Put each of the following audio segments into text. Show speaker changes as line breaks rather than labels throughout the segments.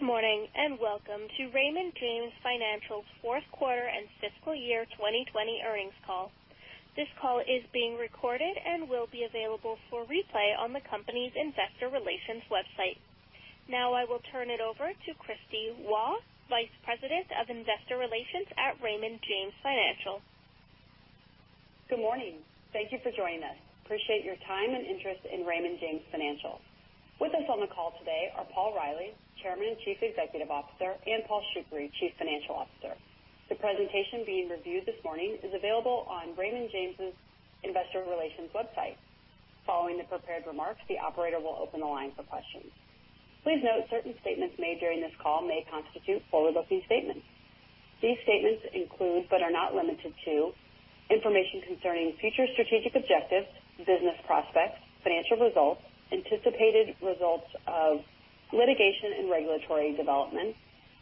Good morning and welcome to Raymond James Financial's fourth quarter and fiscal year 2020 earnings call. This call is being recorded and will be available for replay on the company's investor relations website. Now I will turn it over to Kristina Waugh, Vice President of Investor Relations at Raymond James Financial.
Good morning. Thank you for joining us. Appreciate your time and interest in Raymond James Financial. With us on the call today are Paul Reilly, Chairman and Chief Executive Officer, and Paul Shoukry, Chief Financial Officer. The presentation being reviewed this morning is available on Raymond James's investor relations website. Following the prepared remarks, the operator will open the line for questions. Please note certain statements made during this call may constitute forward-looking statements. These statements include, but are not limited to, information concerning future strategic objectives, business prospects, financial results, anticipated results of litigation and regulatory development,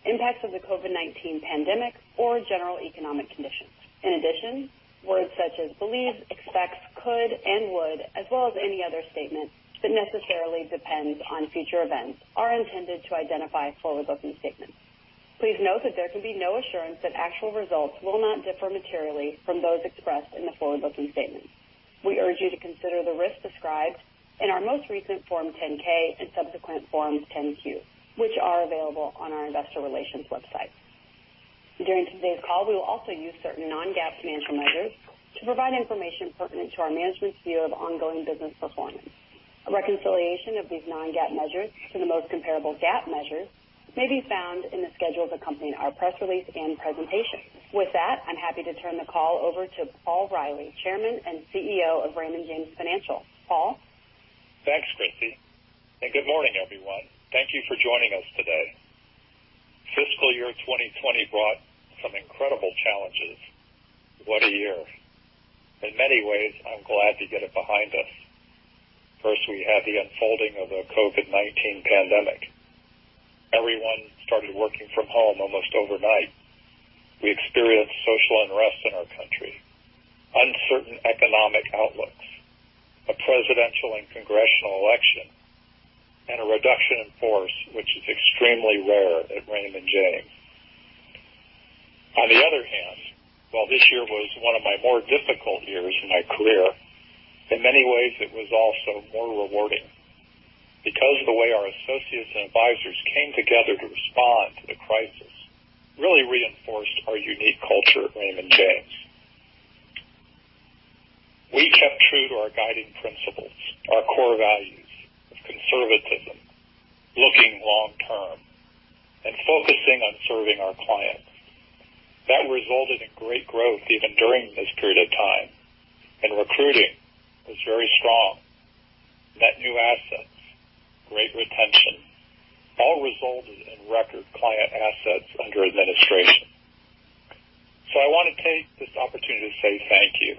impacts of the COVID-19 pandemic, or general economic conditions. In addition, words such as believes, expects, could, and would, as well as any other statement that necessarily depends on future events, are intended to identify forward-looking statements. Please note that there can be no assurance that actual results will not differ materially from those expressed in the forward-looking statements. We urge you to consider the risks described in our most recent Form 10-K and subsequent Form 10-Q, which are available on our investor relations website. During today's call, we will also use certain non-GAAP financial measures to provide information pertinent to our management's view of ongoing business performance. A reconciliation of these non-GAAP measures to the most comparable GAAP measures may be found in the schedules accompanying our press release and presentation. With that, I'm happy to turn the call over to Paul Reilly, Chairman and CEO of Raymond James Financial. Paul.
Thanks, Kristie. And good morning, everyone. Thank you for joining us today. Fiscal year 2020 brought some incredible challenges. What a year. In many ways, I'm glad to get it behind us. First, we had the unfolding of the COVID-19 pandemic. Everyone started working from home almost overnight. We experienced social unrest in our country, uncertain economic outlooks, a presidential and congressional election, and a reduction in force, which is extremely rare at Raymond James. On the other hand, while this year was one of my more difficult years in my career, in many ways it was also more rewarding. Because the way our associates and advisors came together to respond to the crisis really reinforced our unique culture at Raymond James. We kept true to our guiding principles, our core values of conservatism, looking long-term, and focusing on serving our clients. That resulted in great growth even during this period of time, and recruiting was very strong. Net new assets, great retention, all resulted in record client assets under administration. So I want to take this opportunity to say thank you.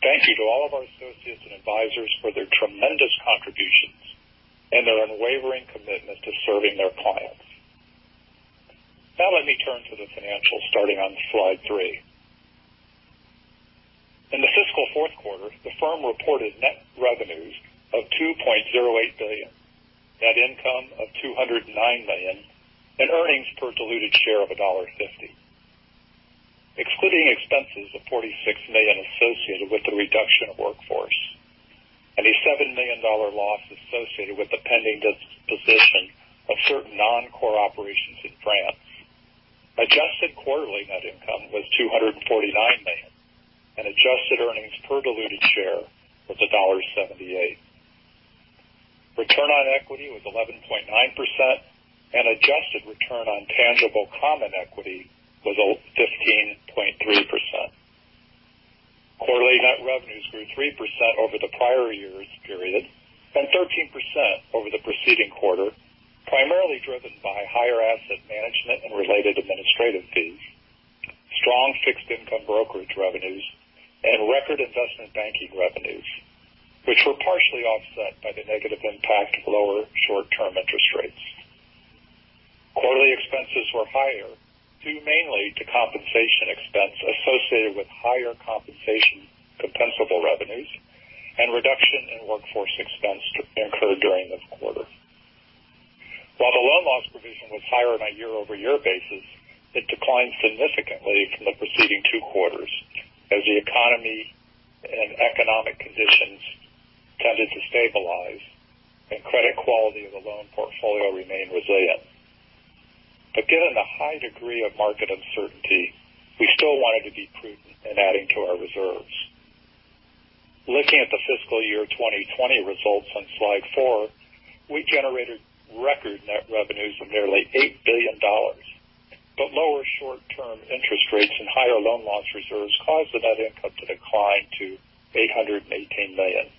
Thank you to all of our associates and advisors for their tremendous contributions and their unwavering commitment to serving their clients. Now let me turn to the financials starting on slide three. In the fiscal fourth quarter, the firm reported net revenues of $2.08 billion, net income of $209 million, and earnings per diluted share of $1.50, excluding expenses of $46 million associated with the reduction of workforce, a $7 million loss associated with the pending disposition of certain non-core operations in France. Adjusted quarterly net income was $249 million, and adjusted earnings per diluted share was $1.78. Return on equity was 11.9%, and adjusted return on tangible common equity was 15.3%. Quarterly net revenues grew 3% over the prior year's period and 13% over the preceding quarter, primarily driven by higher Asset Management and related administrative fees, strong fixed income brokerage revenues, and record investment banking revenues, which were partially offset by the negative impact of lower short-term interest rates. Quarterly expenses were higher, due mainly to compensation expense associated with higher compensation-compensable revenues and reduction in workforce expense incurred during this quarter. While the loan loss provision was higher on a year-over-year basis, it declined significantly from the preceding two quarters as the economy and economic conditions tended to stabilize and credit quality of the loan portfolio remained resilient, but given the high degree of market uncertainty, we still wanted to be prudent in adding to our reserves. Looking at the fiscal year 2020 results on slide four, we generated record net revenues of nearly $8 billion, but lower short-term interest rates and higher loan loss reserves caused the net income to decline to $818 million.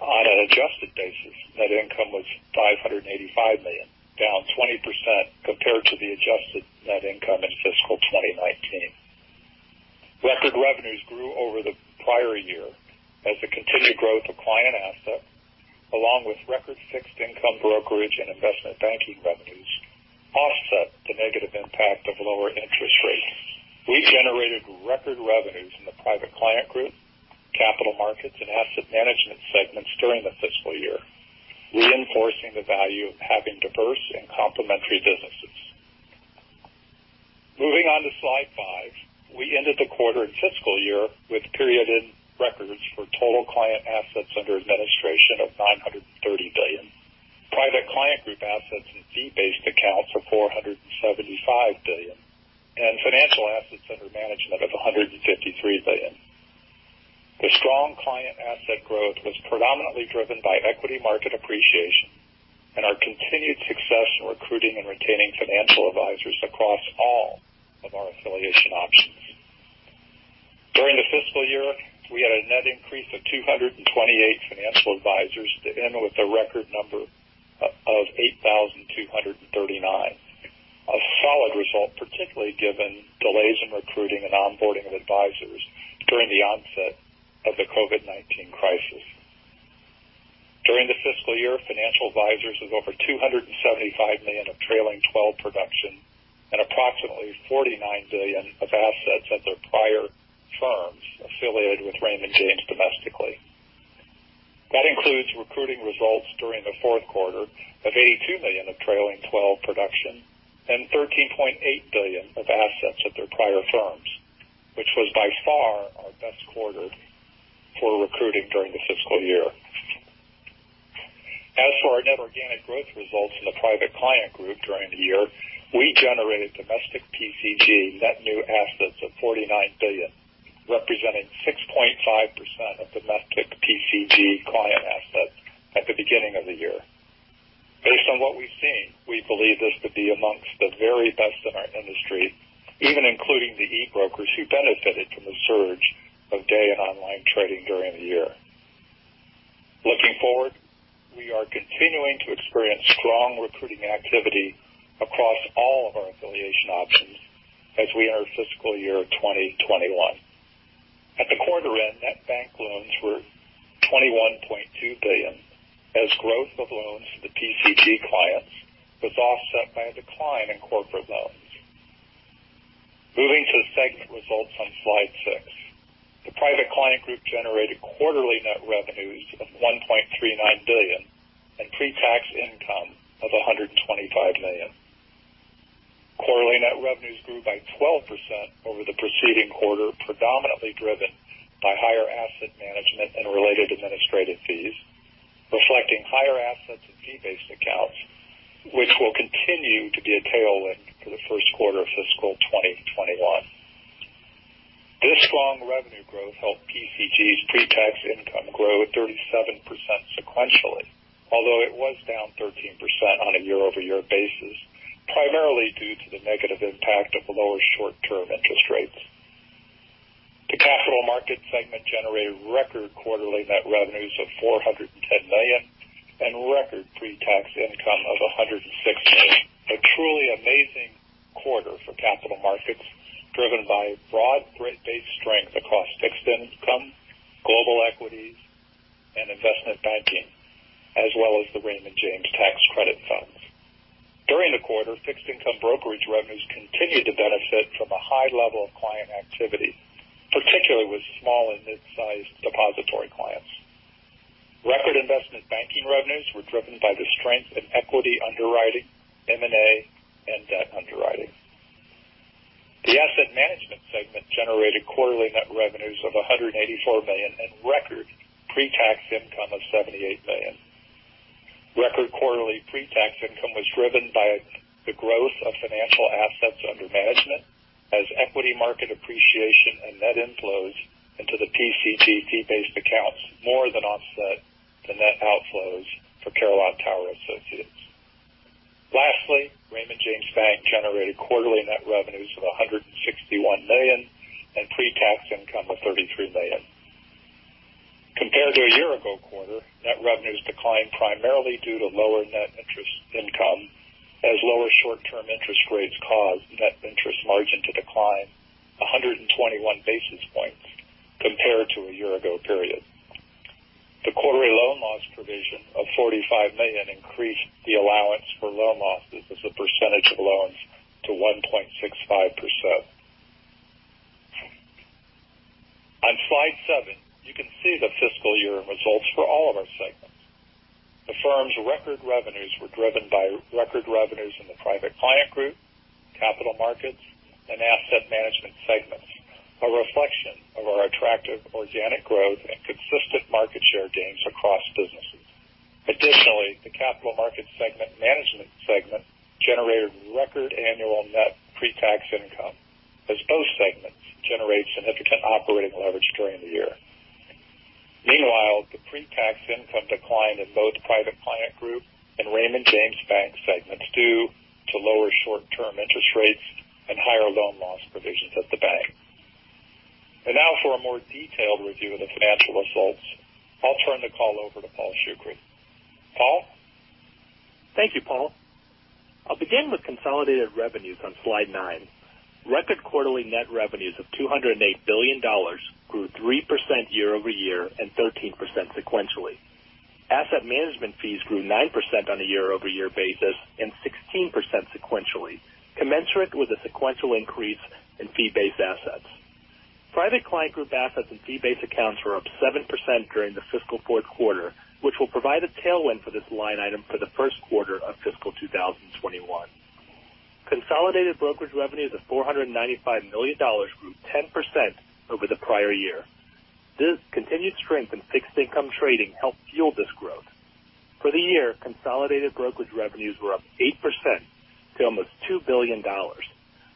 On an adjusted basis, net income was $585 million, down 20% compared to the adjusted net income in fiscal 2019. Record revenues grew over the prior year as the continued growth of client assets, along with record fixed income brokerage and investment banking revenues, offset the negative impact of lower interest rates. We generated record revenues in the Private Client Group, Capital Markets, and Asset Management segments during the fiscal year, reinforcing the value of having diverse and complementary businesses. Moving on to slide five, we ended the quarter and fiscal year with period-end records for total client assets under administration of $930 billion, Private Client Group assets and fee-based accounts of $475 billion, and financial assets under management of $153 billion. The strong client asset growth was predominantly driven by equity market appreciation and our continued success in recruiting and retaining financial advisors across all of our affiliation options. During the fiscal year, we had a net increase of 228 financial advisors to end with a record number of 8,239, a solid result, particularly given delays in recruiting and onboarding of advisors during the onset of the COVID-19 crisis. During the fiscal year, financial advisors of over $275 million of trailing 12 production and approximately $49 billion of assets at their prior firms affiliated with Raymond James domestically. That includes recruiting results during the fourth quarter of $82 million of trailing 12 production and $13.8 billion of assets at their prior firms, which was by far our best quarter for recruiting during the fiscal year. As for our net organic growth results in the Private Client Group during the year, we generated domestic PCG net new assets of $49 billion, representing 6.5% of domestic PCG client assets at the beginning of the year. Based on what we've seen, we believe this to be amongst the very best in our industry, even including the e-brokers who benefited from the surge of day and online trading during the year. Looking forward, we are continuing to experience strong recruiting activity across all of our affiliation options as we enter fiscal year 2021. At the quarter end, net bank loans were $21.2 billion as growth of loans to the PCG clients was offset by a decline in corporate loans. Moving to the segment results on slide six, the Private Client Group generated quarterly net revenues of $1.39 billion and pre-tax income of $125 million. Quarterly net revenues grew by 12% over the preceding quarter, predominantly driven by higher Asset Management and related administrative fees, reflecting higher assets and fee-based accounts, which will continue to be a tailwind for the first quarter of fiscal 2021. This strong revenue growth helped PCG's pre-tax income grow 37% sequentially, although it was down 13% on a year-over-year basis, primarily due to the negative impact of lower short-term interest rates. The Capital Markets segment generated record quarterly net revenues of $410 million and record pre-tax income of $106 million. A truly amazing quarter for Capital Markets driven by broad rate-based strength across fixed income, global equities, and investment banking, as well as the Raymond James Tax Credit Funds. During the quarter, fixed income brokerage revenues continued to benefit from a high level of client activity, particularly with small and mid-sized depository clients. Record investment banking revenues were driven by the strength of equity underwriting, M&A, and debt underwriting. The Asset Management segment generated quarterly net revenues of $184 million and record pre-tax income of $78 million. Record quarterly pre-tax income was driven by the growth of financial assets under management as equity market appreciation and net inflows into the PCG fee-based accounts more than offset the net outflows for Carillon Tower Advisers. Lastly, Raymond James Bank generated quarterly net revenues of $161 million and pre-tax income of $33 million. Compared to a year-ago quarter, net revenues declined primarily due to lower net interest income as lower short-term interest rates caused net interest margin to decline 121 basis points compared to a year-ago period. The quarterly loan loss provision of $45 million increased the allowance for loan losses as a percentage of loans to 1.65%. On slide seven, you can see the fiscal year results for all of our segments. The firm's record revenues were driven by record revenues in the Private Client Group, Capital Markets, and Asset Management segments, a reflection of our attractive organic growth and consistent market share gains across businesses. Additionally, the Capital Markets and Asset Management segments generated record annual net pre-tax income as both segments generate significant operating leverage during the year. Meanwhile, the pre-tax income declined in both Private Client Group and Raymond James Bank segments due to lower short-term interest rates and higher loan loss provisions at the bank. And now for a more detailed review of the financial results, I'll turn the call over to Paul Shoukry. Paul?
Thank you, Paul. I'll begin with consolidated revenues on slide nine. Record quarterly net revenues of $208 billion grew 3% year-over-year and 13% sequentially. Asset management fees grew 9% on a year-over-year basis and 16% sequentially, commensurate with a sequential increase in fee-based assets. Private Client Group assets and fee-based accounts were up 7% during the fiscal fourth quarter, which will provide a tailwind for this line item for the first quarter of fiscal 2021. Consolidated brokerage revenues of $495 million grew 10% over the prior year. This continued strength in fixed income trading helped fuel this growth. For the year, consolidated brokerage revenues were up 8% to almost $2 billion,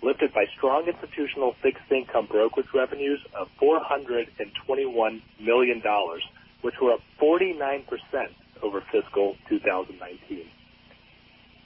lifted by strong institutional fixed income brokerage revenues of $421 million, which were up 49% over fiscal 2019.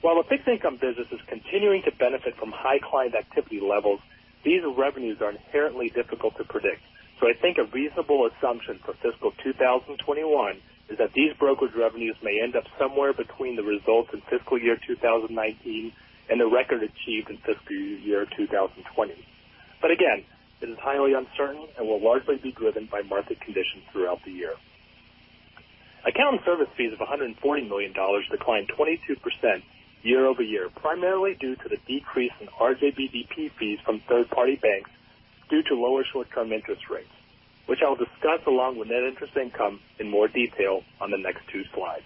While the fixed income business is continuing to benefit from high client activity levels, these revenues are inherently difficult to predict. I think a reasonable assumption for fiscal 2021 is that these brokerage revenues may end up somewhere between the results in fiscal year 2019 and the record achieved in fiscal year 2020. Again, it is highly uncertain and will largely be driven by market conditions throughout the year. Account and service fees of $140 million declined 22% year-over-year, primarily due to the decrease in RJBDP fees from third-party banks due to lower short-term interest rates, which I'll discuss along with net interest income in more detail on the next two slides.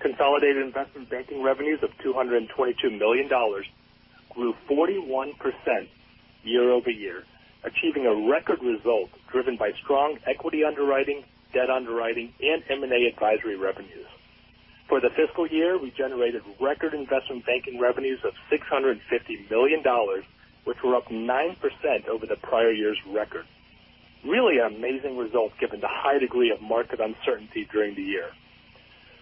Consolidated investment banking revenues of $222 million grew 41% year-over-year, achieving a record result driven by strong equity underwriting, debt underwriting, and M&A advisory revenues. For the fiscal year, we generated record investment banking revenues of $650 million, which were up 9% over the prior year's record. Really amazing results given the high degree of market uncertainty during the year.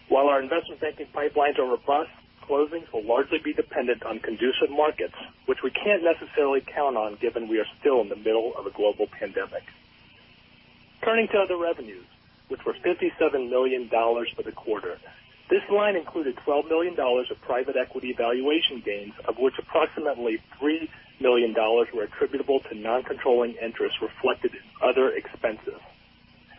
While our investment banking pipelines are robust, closings will largely be dependent on conducive markets, which we can't necessarily count on given we are still in the middle of a global pandemic. Turning to other revenues, which were $57 million for the quarter, this line included $12 million of private equity valuation gains, of which approximately $3 million were attributable to non-controlling interest reflected in other expenses.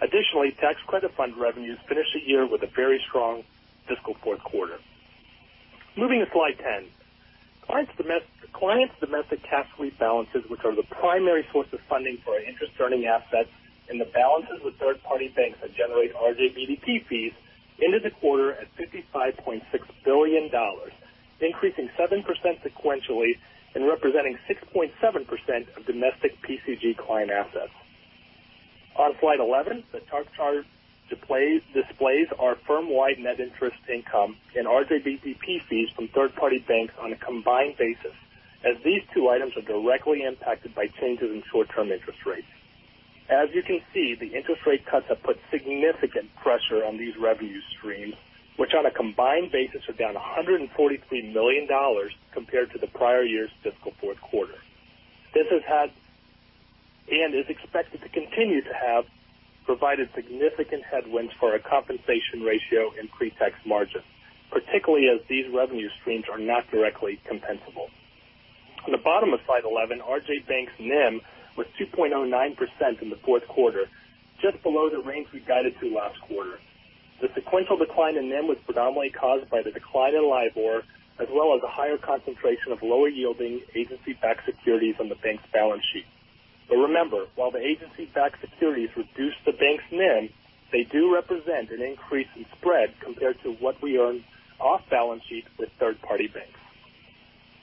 Additionally, tax credit fund revenues finished the year with a very strong fiscal fourth quarter. Moving to slide 10, clients' domestic cash balances, which are the primary source of funding for interest-earning assets and the balances with third-party banks that generate RJBDP fees, ended the quarter at $55.6 billion, increasing 7% sequentially and representing 6.7% of domestic PCG client assets. On slide 11, the chart displays our firm-wide net interest income and RJBDP fees from third-party banks on a combined basis, as these two items are directly impacted by changes in short-term interest rates. As you can see, the interest rate cuts have put significant pressure on these revenue streams, which on a combined basis are down $143 million compared to the prior year's fiscal fourth quarter. This has had and is expected to continue to have provided significant headwinds for our compensation ratio and pre-tax margin, particularly as these revenue streams are not directly compensable. On the bottom of slide 11, RJ Bank's NIM was 2.09% in the fourth quarter, just below the range we guided to last quarter. The sequential decline in NIM was predominantly caused by the decline in LIBOR, as well as a higher concentration of lower-yielding agency-backed securities on the bank's balance sheet. But remember, while the agency-backed securities reduce the bank's NIM, they do represent an increase in spread compared to what we earn off-balance sheet with third-party banks.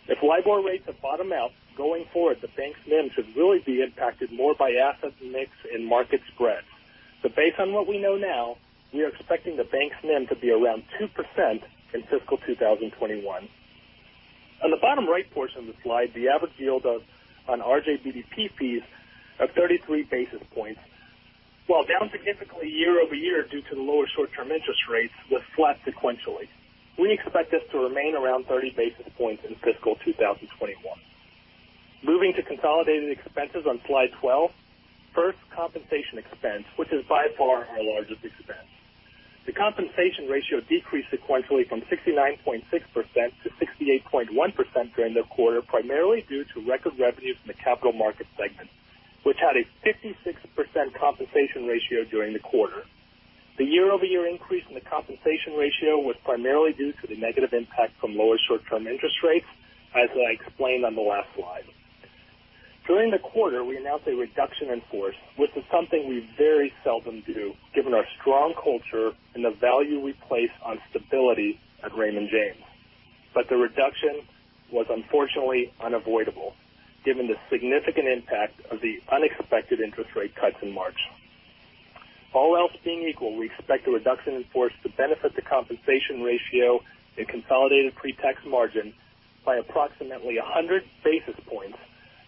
If LIBOR rates have bottomed out, going forward, the bank's NIM should really be impacted more by asset mix and market spread. So based on what we know now, we are expecting the bank's NIM to be around 2% in fiscal 2021. On the bottom right portion of the slide, the average yield on RJBDP fees of 33 basis points, while down significantly year-over-year due to the lower short-term interest rates, was flat sequentially. We expect this to remain around 30 basis points in fiscal 2021. Moving to consolidated expenses on slide 12, first compensation expense, which is by far our largest expense. The compensation ratio decreased sequentially from 69.6%-68.1% during the quarter, primarily due to record revenues in the Capital Markets segment, which had a 56% compensation ratio during the quarter. The year-over-year increase in the compensation ratio was primarily due to the negative impact from lower short-term interest rates, as I explained on the last slide. During the quarter, we announced a reduction in force, which is something we very seldom do, given our strong culture and the value we place on stability at Raymond James. But the reduction was unfortunately unavoidable, given the significant impact of the unexpected interest rate cuts in March. All else being equal, we expect a reduction in force to benefit the compensation ratio and consolidated pre-tax margin by approximately 100 basis points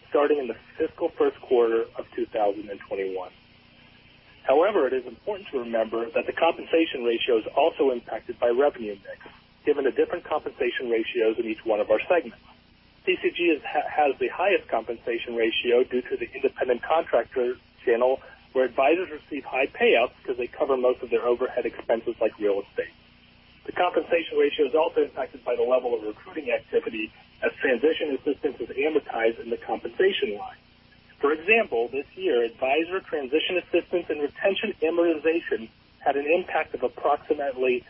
starting in the fiscal first quarter of 2021. However, it is important to remember that the compensation ratio is also impacted by revenue index, given the different compensation ratios in each one of our segments. PCG has the highest compensation ratio due to the independent contractor channel, where advisors receive high payouts because they cover most of their overhead expenses like real estate. The compensation ratio is also impacted by the level of recruiting activity as transition assistance is amortized in the compensation line. For example, this year, advisor transition assistance and retention amortization had an impact of approximately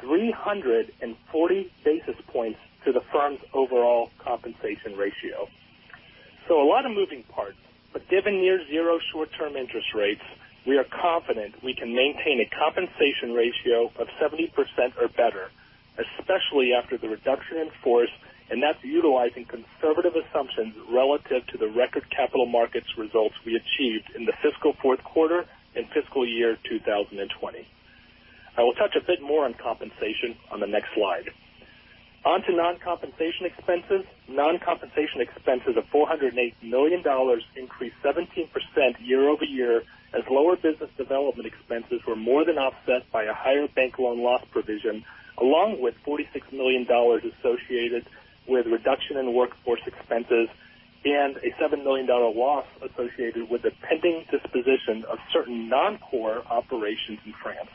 340 basis points to the firm's overall compensation ratio. So a lot of moving parts, but given near-zero short-term interest rates, we are confident we can maintain a compensation ratio of 70% or better, especially after the reduction in force, and that's utilizing conservative assumptions relative to the record capital markets results we achieved in the fiscal fourth quarter and fiscal year 2020. I will touch a bit more on compensation on the next slide. On to non-compensation expenses. Non-compensation expenses of $408 million increased 17% year-over-year as lower business development expenses were more than offset by a higher bank loan loss provision, along with $46 million associated with reduction in workforce expenses and a $7 million loss associated with the pending disposition of certain non-core operations in France.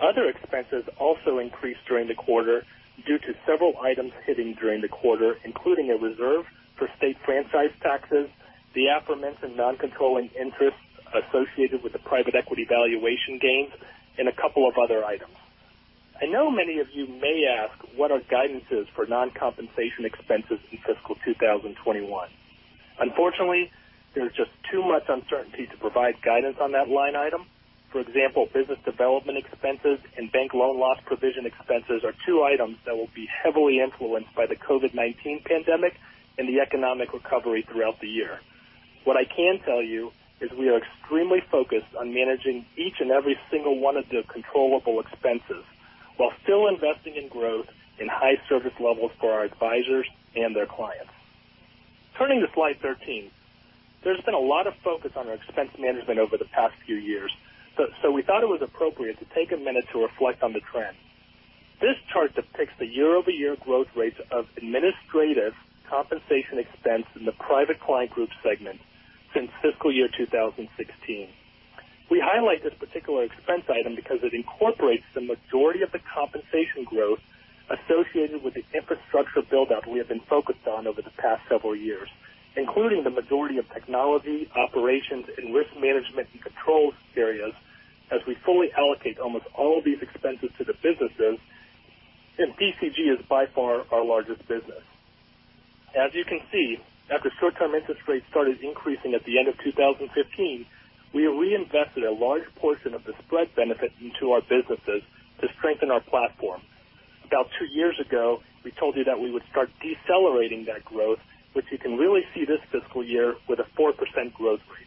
Other expenses also increased during the quarter due to several items hitting during the quarter, including a reserve for state franchise taxes, the aforementioned non-controlling interest associated with the private equity valuation gains, and a couple of other items. I know many of you may ask, what are guidances for non-compensation expenses in fiscal 2021? Unfortunately, there's just too much uncertainty to provide guidance on that line item. For example, business development expenses and bank loan loss provision expenses are two items that will be heavily influenced by the COVID-19 pandemic and the economic recovery throughout the year. What I can tell you is we are extremely focused on managing each and every single one of the controllable expenses while still investing in growth and high service levels for our advisors and their clients. Turning to slide 13, there's been a lot of focus on our expense management over the past few years, so we thought it was appropriate to take a minute to reflect on the trend. This chart depicts the year-over-year growth rates of administrative compensation expense in the Private Client Group segment since fiscal year 2016. We highlight this particular expense item because it incorporates the majority of the compensation growth associated with the infrastructure build-up we have been focused on over the past several years, including the majority of technology, operations, and risk management and controls areas as we fully allocate almost all of these expenses to the businesses, and PCG is by far our largest business. As you can see, after short-term interest rates started increasing at the end of 2015, we reinvested a large portion of the spread benefit into our businesses to strengthen our platform. About two years ago, we told you that we would start decelerating that growth, which you can really see this fiscal year with a 4% growth rate,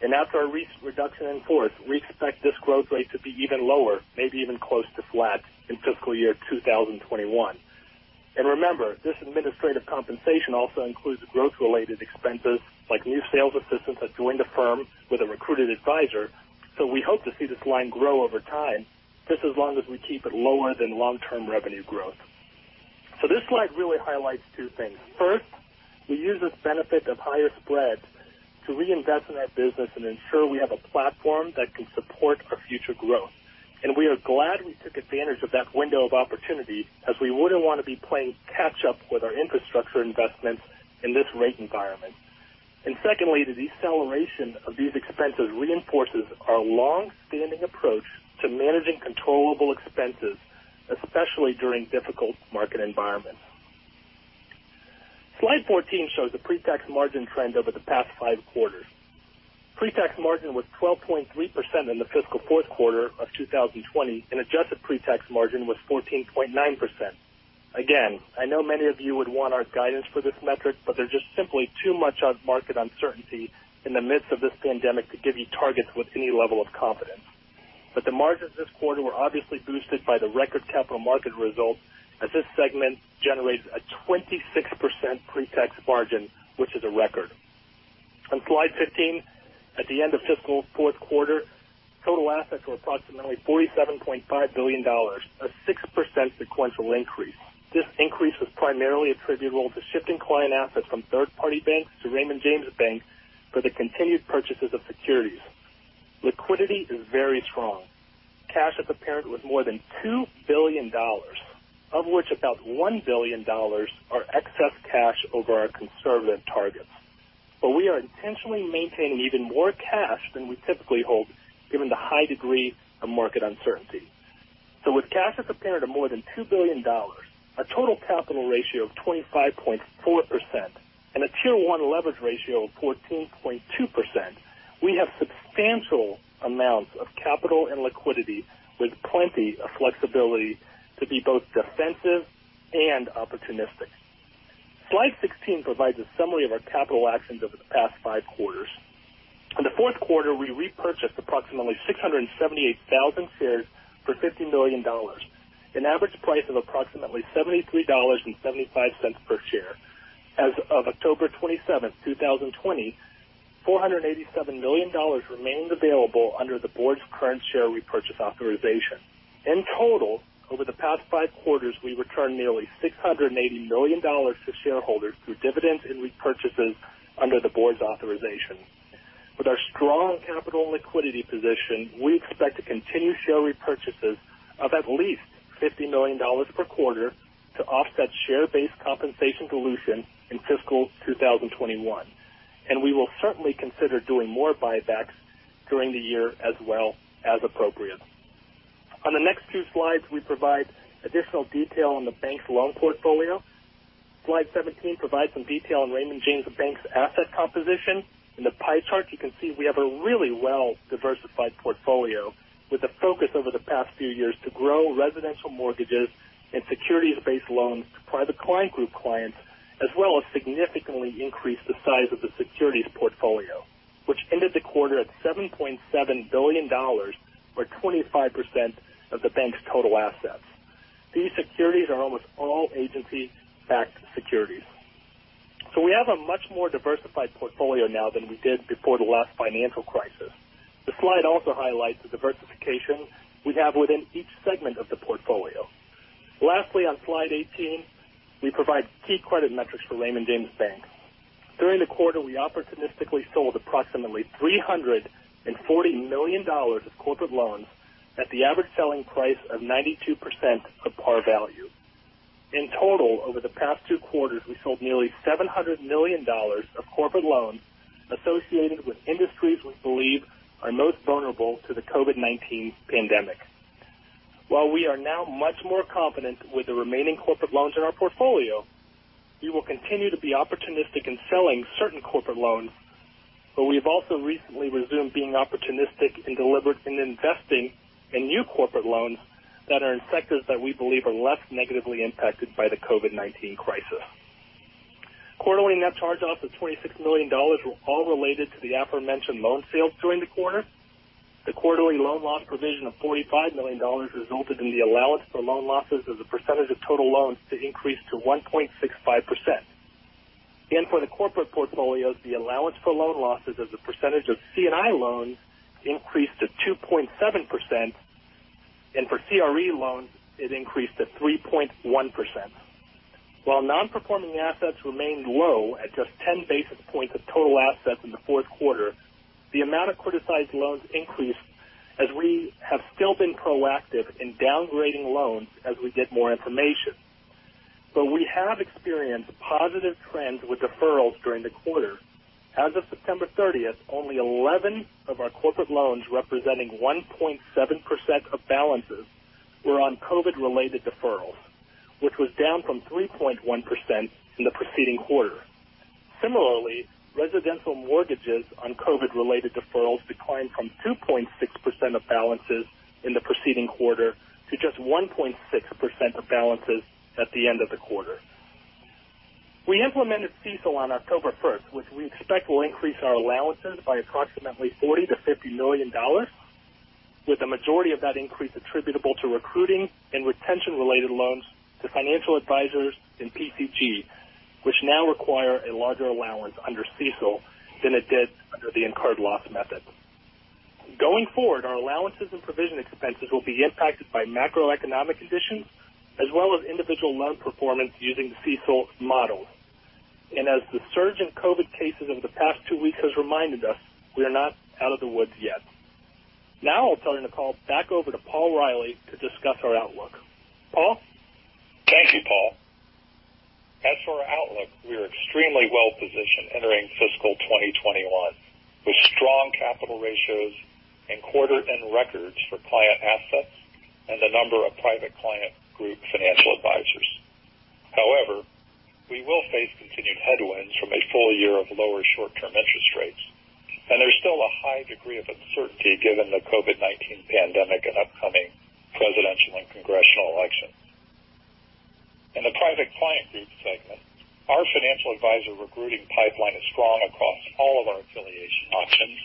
and after our recent reduction in force, we expect this growth rate to be even lower, maybe even close to flat in fiscal year 2021, and remember, this administrative compensation also includes growth-related expenses like new sales assistants that joined the firm with a recruited advisor, so we hope to see this line grow over time, just as long as we keep it lower than long-term revenue growth, so this slide really highlights two things. First, we use this benefit of higher spreads to reinvest in our business and ensure we have a platform that can support our future growth. We are glad we took advantage of that window of opportunity as we wouldn't want to be playing catch-up with our infrastructure investments in this rate environment. Secondly, the deceleration of these expenses reinforces our long-standing approach to managing controllable expenses, especially during difficult market environments. Slide 14 shows the pre-tax margin trend over the past five quarters. Pre-tax margin was 12.3% in the fiscal fourth quarter of 2020, and adjusted pre-tax margin was 14.9%. Again, I know many of you would want our guidance for this metric, but there's just simply too much of market uncertainty in the midst of this pandemic to give you targets with any level of confidence. The margins this quarter were obviously boosted by the record capital market results as this segment generated a 26% pre-tax margin, which is a record. On slide 15, at the end of fiscal fourth quarter, total assets were approximately $47.5 billion, a 6% sequential increase. This increase was primarily attributable to shifting client assets from third-party banks to Raymond James Bank for the continued purchases of securities. Liquidity is very strong. Cash and equivalents with more than $2 billion, of which about $1 billion are excess cash over our conservative targets. But we are intentionally maintaining even more cash than we typically hold, given the high degree of market uncertainty. So with cash and equivalents of more than $2 billion, a total capital ratio of 25.4%, and a Tier 1 leverage ratio of 14.2%, we have substantial amounts of capital and liquidity with plenty of flexibility to be both defensive and opportunistic. Slide 16 provides a summary of our capital actions over the past five quarters. In the fourth quarter, we repurchased approximately 678,000 shares for $50 million, an average price of approximately $73.75 per share. As of October 27, 2020, $487 million remains available under the board's current share repurchase authorization. In total, over the past five quarters, we returned nearly $680 million to shareholders through dividends and repurchases under the board's authorization. With our strong capital and liquidity position, we expect to continue share repurchases of at least $50 million per quarter to offset share-based compensation dilution in fiscal 2021. And we will certainly consider doing more buybacks during the year as well as appropriate. On the next two slides, we provide additional detail on the bank's loan portfolio. Slide 17 provides some detail on Raymond James Bank's asset composition. In the pie chart, you can see we have a really well-diversified portfolio with a focus over the past few years to grow residential mortgages and securities-based loans to Private Client Group clients, as well as significantly increase the size of the securities portfolio, which ended the quarter at $7.7 billion, or 25% of the bank's total assets. These securities are almost all agency-backed securities. So we have a much more diversified portfolio now than we did before the last financial crisis. The slide also highlights the diversification we have within each segment of the portfolio. Lastly, on slide 18, we provide key credit metrics for Raymond James Bank. During the quarter, we opportunistically sold approximately $340 million of corporate loans at the average selling price of 92% of par value. In total, over the past two quarters, we sold nearly $700 million of corporate loans associated with industries we believe are most vulnerable to the COVID-19 pandemic. While we are now much more confident with the remaining corporate loans in our portfolio, we will continue to be opportunistic in selling certain corporate loans, but we have also recently resumed being opportunistic in deliberate investing in new corporate loans that are in sectors that we believe are less negatively impacted by the COVID-19 crisis. Quarterly net charge-off of $26 million were all related to the aforementioned loan sales during the quarter. The quarterly loan loss provision of $45 million resulted in the allowance for loan losses as a percentage of total loans to increase to 1.65%. And for the corporate portfolios, the allowance for loan losses as a percentage of C&I loans increased to 2.7%, and for CRE loans, it increased to 3.1%. While non-performing assets remained low at just 10 basis points of total assets in the fourth quarter, the amount of criticized loans increased as we have still been proactive in downgrading loans as we get more information. But we have experienced positive trends with deferrals during the quarter. As of September 30, only 11 of our corporate loans representing 1.7% of balances were on COVID-related deferrals, which was down from 3.1% in the preceding quarter. Similarly, residential mortgages on COVID-related deferrals declined from 2.6% of balances in the preceding quarter to just 1.6% of balances at the end of the quarter. We implemented CECL on October 1, which we expect will increase our allowances by approximately $40-$50 million, with the majority of that increase attributable to recruiting and retention-related loans to financial advisors and PCG, which now require a larger allowance under CECL than it did under the incurred loss method. Going forward, our allowances and provision expenses will be impacted by macroeconomic conditions as well as individual loan performance using the CECL model, and as the surge in COVID cases over the past two weeks has reminded us, we are not out of the woods yet. Now I'll turn the call back over to Paul Reilly to discuss our outlook. Paul?
Thank you, Paul. As for our outlook, we are extremely well-positioned entering fiscal 2021 with strong capital ratios and quarter-end records for client assets and the number of Private Client Group financial advisors. However, we will face continued headwinds from a full year of lower short-term interest rates, and there's still a high degree of uncertainty given the COVID-19 pandemic and upcoming presidential and congressional elections. In the Private Client Group segment, our financial advisor recruiting pipeline is strong across all of our affiliation options,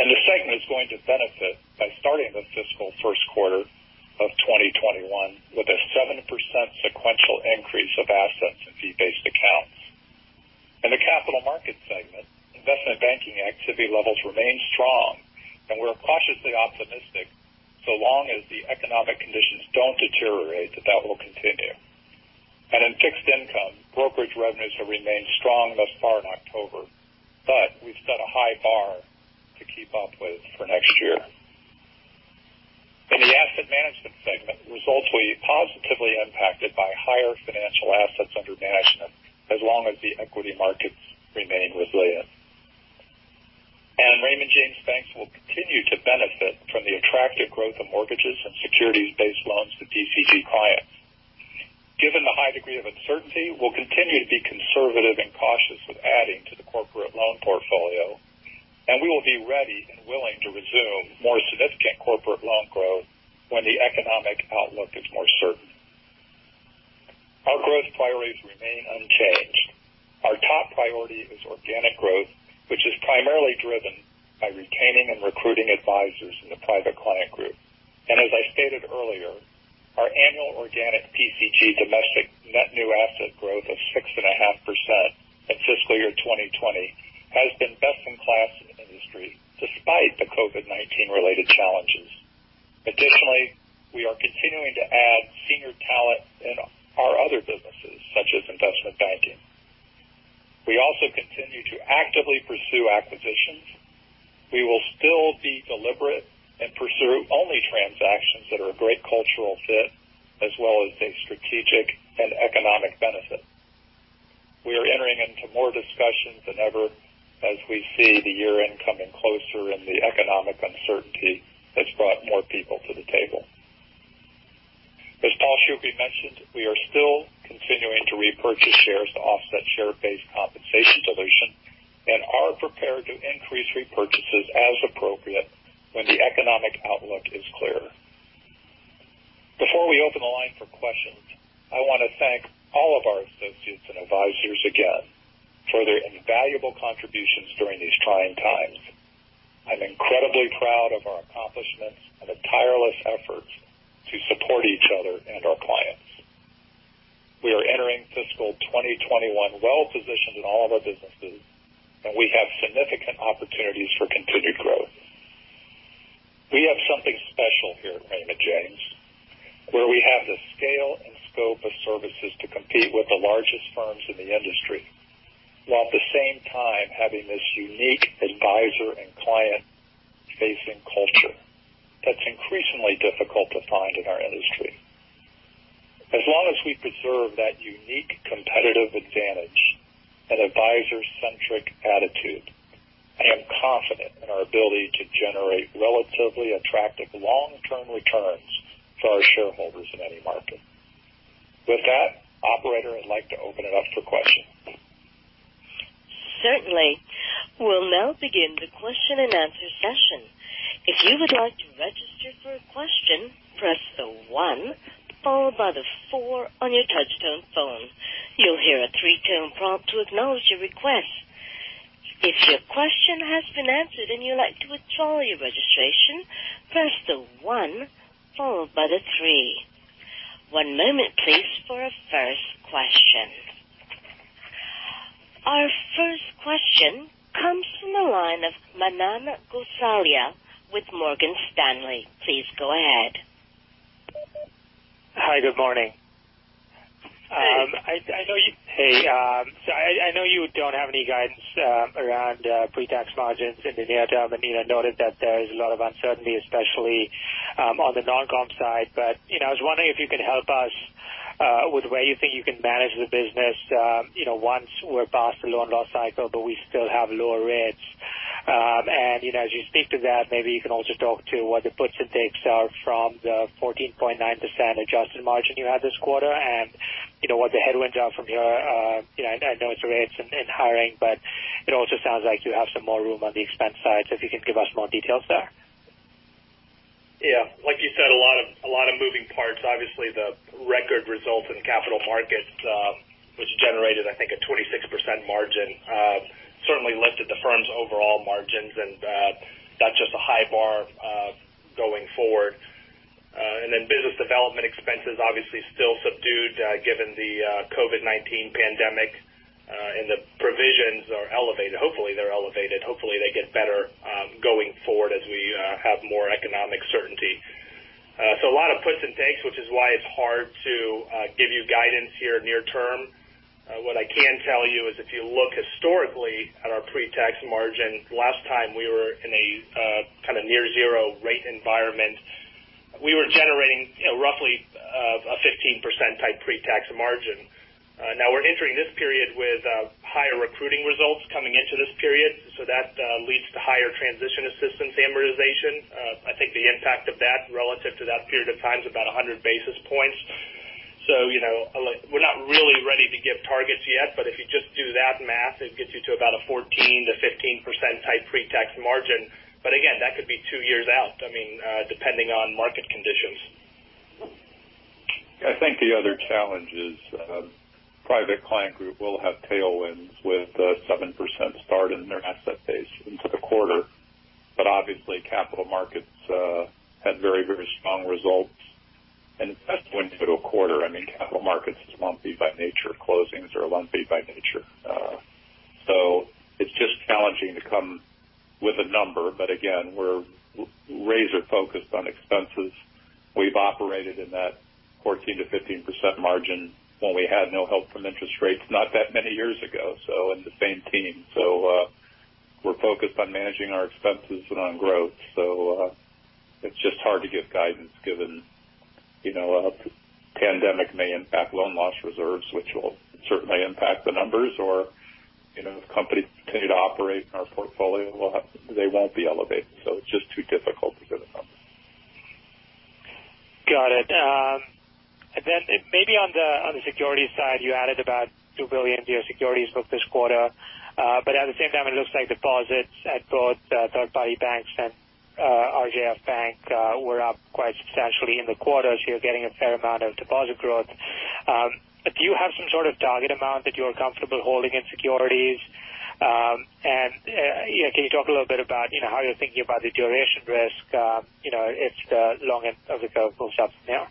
and the segment is going to benefit by starting the fiscal first quarter of 2021 with a 7% sequential increase of assets and fee-based accounts. In the Capital Markets segment, investment banking activity levels remain strong, and we're cautiously optimistic so long as the economic conditions don't deteriorate that that will continue, and in fixed income, brokerage revenues have remained strong thus far in October, but we've set a high bar to keep up with for next year. In the Asset Management segment, results will be positively impacted by higher financial assets under management as long as the equity markets remain resilient. And Raymond James Bank will continue to benefit from the attractive growth of mortgages and securities-based loans to PCG clients. Given the high degree of uncertainty, we'll continue to be conservative and cautious with adding to the corporate loan portfolio, and we will be ready and willing to resume more significant corporate loan growth when the economic outlook is more certain. Our growth priorities remain unchanged. Our top priority is organic growth, which is primarily driven by retaining and recruiting advisors in the Private Client Group. And as I stated earlier, our annual organic PCG domestic net new asset growth of 6.5% in fiscal year 2020 has been best in class in the industry despite the COVID-19-related challenges. Additionally, we are continuing to add senior talent in our other businesses, such as investment banking. We also continue to actively pursue acquisitions. We will still be deliberate and pursue only transactions that are a great cultural fit as well as a strategic and economic benefit. We are entering into more discussions than ever as we see the year-end coming closer and the economic uncertainty has brought more people to the table. As Paul Shoukry mentioned, we are still continuing to repurchase shares to offset share-based compensation dilution and are prepared to increase repurchases as appropriate when the economic outlook is clearer. Before we open the line for questions, I want to thank all of our associates and advisors again for their invaluable contributions during these trying times. I'm incredibly proud of our accomplishments and the tireless efforts to support each other and our clients. We are entering fiscal 2021 well-positioned in all of our businesses, and we have significant opportunities for continued growth. We have something special here at Raymond James, where we have the scale and scope of services to compete with the largest firms in the industry while at the same time having this unique advisor and client-facing culture that's increasingly difficult to find in our industry. As long as we preserve that unique competitive advantage and advisor-centric attitude, I am confident in our ability to generate relatively attractive long-term returns for our shareholders in any market. With that, Operator, I'd like to open it up for questions.
Certainly. We'll now begin the question-and-answer session. If you would like to register for a question, press the 1 followed by the 4 on your touch-tone phone. You'll hear a three-tone prompt to acknowledge your request. If your question has been answered and you'd like to withdraw your registration, press the 1 followed by the 3. One moment, please, for our first question. Our first question comes from the line of Manan Gosalia with Morgan Stanley. Please go ahead.
Hi, good morning. Hi. So I know you don't have any guidance around pre-tax margins in the near term, and noted that there is a lot of uncertainty, especially on the non-comp side. But I was wondering if you could help us with where you think you can manage the business once we're past the loan loss cycle, but we still have lower rates. And as you speak to that, maybe you can also talk to what the puts and takes are from the 14.9% adjusted margin you had this quarter and what the headwinds are from your notes and rates and hiring. But it also sounds like you have some more room on the expense side, so if you can give us more details there.
Yeah. Like you said, a lot of moving parts. Obviously, the record result in Capital Markets, which generated, I think, a 26% margin, certainly lifted the firm's overall margins, and that's just a high bar going forward. And then business development expenses, obviously, still subdued given the COVID-19 pandemic, and the provisions are elevated. Hopefully, they're elevated. Hopefully, they get better going forward as we have more economic certainty. So a lot of puts and takes, which is why it's hard to give you guidance here near term. What I can tell you is if you look historically at our pre-tax margin, last time we were in a kind of near-zero rate environment, we were generating roughly a 15%-type pre-tax margin. Now we're entering this period with higher recruiting results coming into this period, so that leads to higher transition assistance amortization. I think the impact of that relative to that period of time is about 100 basis points. So we're not really ready to give targets yet, but if you just do that math, it gets you to about a 14%-15% type pre-tax margin. But again, that could be two years out, I mean, depending on market conditions. I think the other challenge is Private Client Group will have tailwinds with a 7% start in their asset base into the quarter. But obviously, Capital Markets had very, very strong results. And especially into a quarter, I mean, Capital Markets are lumpy by nature. Closings are lumpy by nature. So it's just challenging to come with a number. But again, we're razor-focused on expenses. We've operated in that 14%-15% margin when we had no help from interest rates not that many years ago, so in the same vein. We're focused on managing our expenses and on growth. It's just hard to give guidance given the pandemic may impact loan loss reserves, which will certainly impact the numbers. Or if companies continue to operate in our portfolio, they won't be elevated. It's just too difficult to give a number.
Got it. And then maybe on the securities side, you added about $2 billion to your securities book this quarter. But at the same time, it looks like deposits at both third-party banks and RJF Bank were up quite substantially in the quarter, so you're getting a fair amount of deposit growth. Do you have some sort of target amount that you're comfortable holding in securities? And can you talk a little bit about how you're thinking about the duration risk if the long end of the curve moves up from there?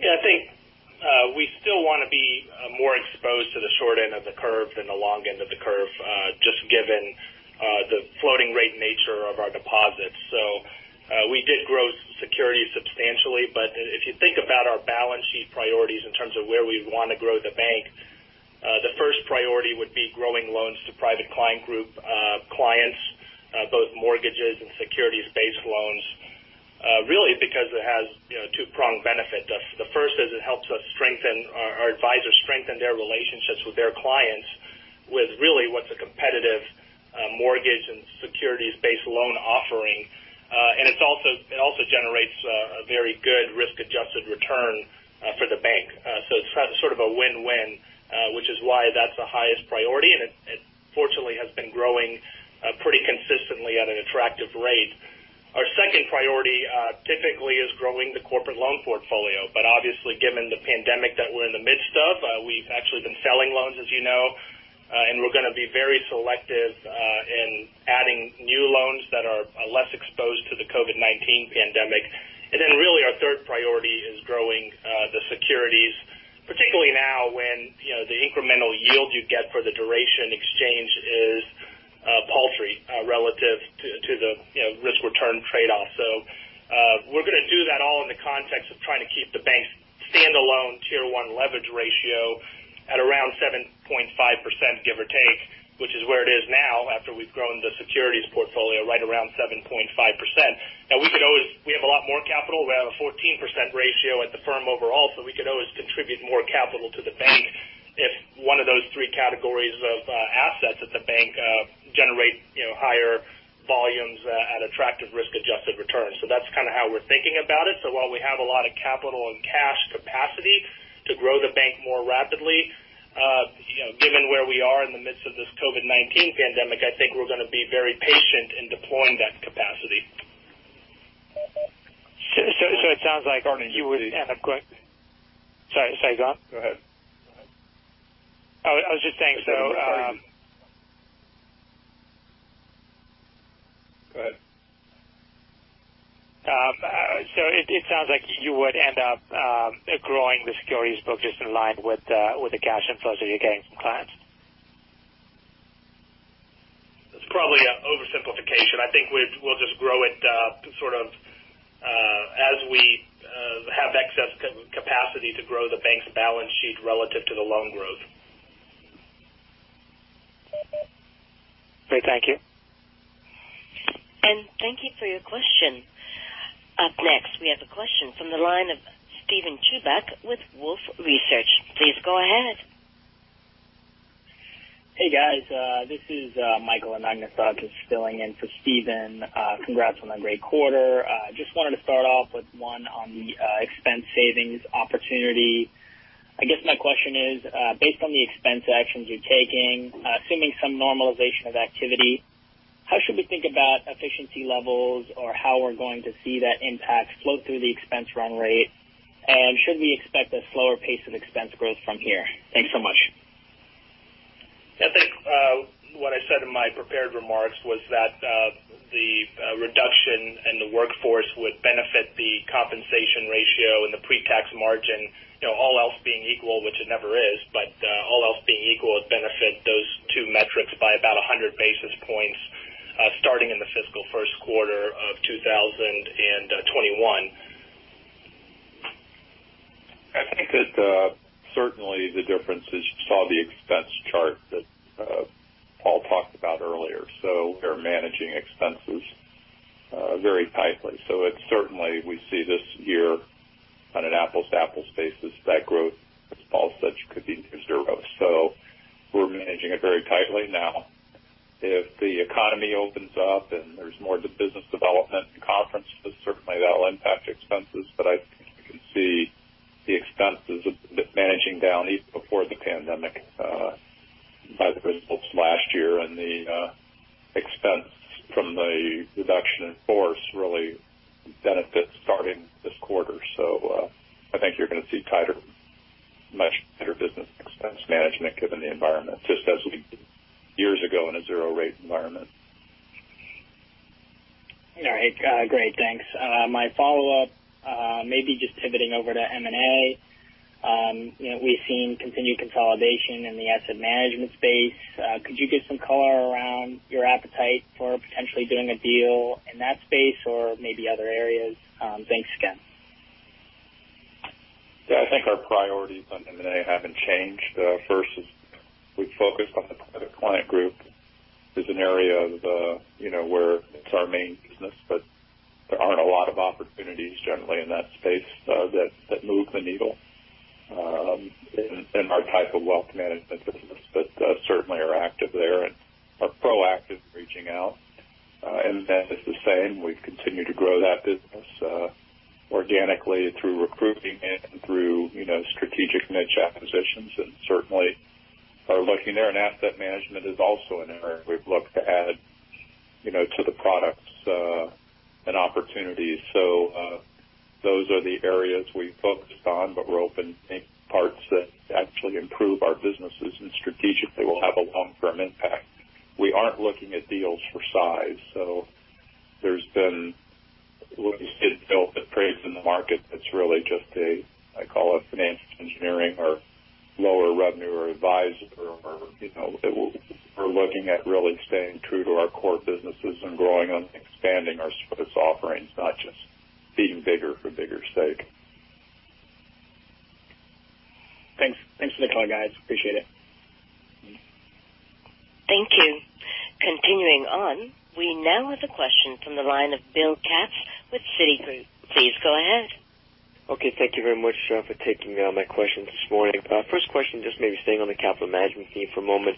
Yeah. I think we still want to be more exposed to the short end of the curve than the long end of the curve just given the floating-rate nature of our deposits. So we did grow securities substantially, but if you think about our balance sheet priorities in terms of where we want to grow the bank, the first priority would be growing loans to Private Client Group clients, both mortgages and securities-based loans, really because it has a two-pronged benefit. The first is it helps us strengthen our advisors' strength in their relationships with their clients with really what's a competitive mortgage and securities-based loan offering. And it also generates a very good risk-adjusted return for the bank. So it's sort of a win-win, which is why that's the highest priority, and it fortunately has been growing pretty consistently at an attractive rate. Our second priority typically is growing the corporate loan portfolio. But obviously, given the pandemic that we're in the midst of, we've actually been selling loans, as you know, and we're going to be very selective in adding new loans that are less exposed to the COVID-19 pandemic. And then really, our third priority is growing the securities, particularly now when the incremental yield you get for the duration exchange is paltry relative to the risk-return trade-off. So we're going to do that all in the context of trying to keep the bank's standalone Tier 1 leverage ratio at around 7.5%, give or take, which is where it is now after we've grown the securities portfolio right around 7.5%. Now, we have a lot more capital. We have a 14% ratio at the firm overall, so we could always contribute more capital to the bank if one of those three categories of assets at the bank generate higher volumes at attractive risk-adjusted returns. So that's kind of how we're thinking about it. So while we have a lot of capital and cash capacity to grow the bank more rapidly, given where we are in the midst of this COVID-19 pandemic, I think we're going to be very patient in deploying that capacity. So it sounds like you would end up growing the securities book just in line with the cash inflows that you're getting from clients. That's probably an oversimplification. I think we'll just grow it sort of as we have excess capacity to grow the bank's balance sheet relative to the loan growth.
Great. Thank you.
And thank you for your question. Up next, we have a question from the line of Steven Chubak with Wolfe Research. Please go ahead.
Hey, guys. This is Michael Anagnostakos filling in for Steven. Congrats on a great quarter. Just wanted to start off with one on the expense savings opportunity. I guess my question is, based on the expense actions you're taking, assuming some normalization of activity, how should we think about efficiency levels or how we're going to see that impact float through the expense run rate? And should we expect a slower pace of expense growth from here? Thanks so much.
I think what I said in my prepared remarks was that the reduction in the workforce would benefit the compensation ratio and the pre-tax margin, all else being equal, which it never is, but all else being equal, it would benefit those two metrics by about 100 basis points starting in the fiscal first quarter of 2021.
I think that certainly the difference is, you saw the expense chart that Paul talked about earlier, so we're managing expenses very tightly, so certainly, we see this year on an apples-to-apples basis that growth, as Paul said, could be near zero, so we're managing it very tightly now. If the economy opens up and there's more business development and conferences, certainly that will impact expenses, but I think we can see the expenses managing down even before the pandemic by the results last year. And the expense from the reduction in force really benefits starting this quarter. So I think you're going to see much better business expense management given the environment just as we did years ago in a zero-rate environment.
All right. Great. Thanks. My follow-up, maybe just pivoting over to M&A. We've seen continued consolidation in the Asset Management space. Could you give some color around your appetite for potentially doing a deal in that space or maybe other areas? Thanks again.
Yeah. I think our priorities on M&A haven't changed. First is we focused on the Private Client Group as an area where it's our main business, but there aren't a lot of opportunities generally in that space that move the needle in our type of wealth management business. But certainly, we're active there and are proactive in reaching out. M&A is the same. We've continued to grow that business organically through recruiting and through strategic niche acquisitions. And certainly, we're looking there. And Asset Management is also an area we've looked to add to the products and opportunities. So those are the areas we focused on, but we're open to take parts that actually improve our businesses and strategically will have a long-term impact. We aren't looking at deals for size. So there's been a little bit of build-up trades in the market that's really just a, I call it, financial engineering or lower revenue or advisor. We're looking at really staying true to our core businesses and growing and expanding our service offerings, not just being bigger for bigger's sake.
Thanks. Thanks for the call, guys. Appreciate it.
Thank you. Continuing on, we now have a question from the line of Bill Katz with Citigroup. Please go ahead. Okay.
Thank you very much for taking my questions this morning. First question, just maybe staying on the capital management theme for a moment.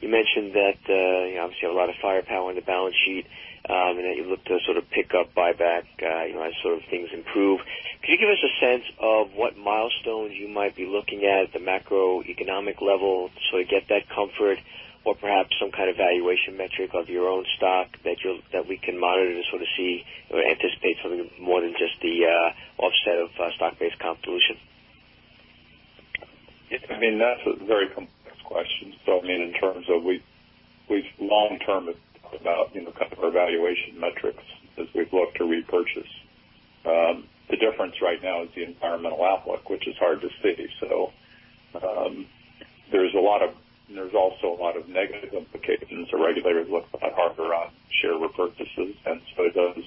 You mentioned that you obviously have a lot of firepower in the balance sheet and that you look to sort of pick up buyback as sort of things improve. Could you give us a sense of what milestones you might be looking at at the macroeconomic level to sort of get that comfort or perhaps some kind of valuation metric of your own stock that we can monitor to sort of see or anticipate something more than just the offset of stock-based comp dilution?
I mean, that's a very complex question. So I mean, in terms of we've long-term talked about kind of our valuation metrics as we've looked to repurchase. The difference right now is the environmental outlook, which is hard to see. So there's also a lot of negative implications. The regulators look a lot harder on share repurchases and so does,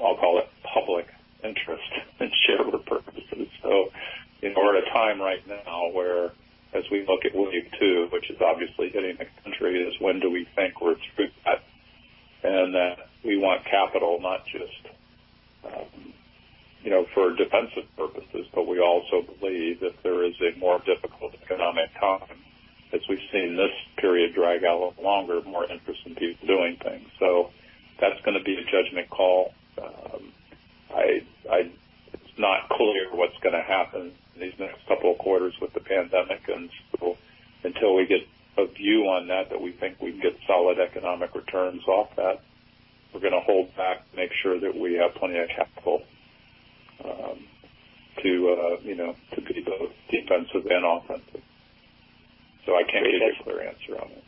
I'll call it, public interest in share repurchases. So we're at a time right now where, as we look at wave two, which is obviously hitting the country, is when do we think we're through that? And that we want capital not just for defensive purposes, but we also believe if there is a more difficult economic time, as we've seen this period drag out a little longer, more interest in people doing things. So that's going to be a judgment call. It's not clear what's going to happen in these next couple of quarters with the pandemic. And so until we get a view on that we think we can get solid economic returns off that, we're going to hold back, make sure that we have plenty of capital to be both defensive and offensive. So I can't give you a clear answer on that.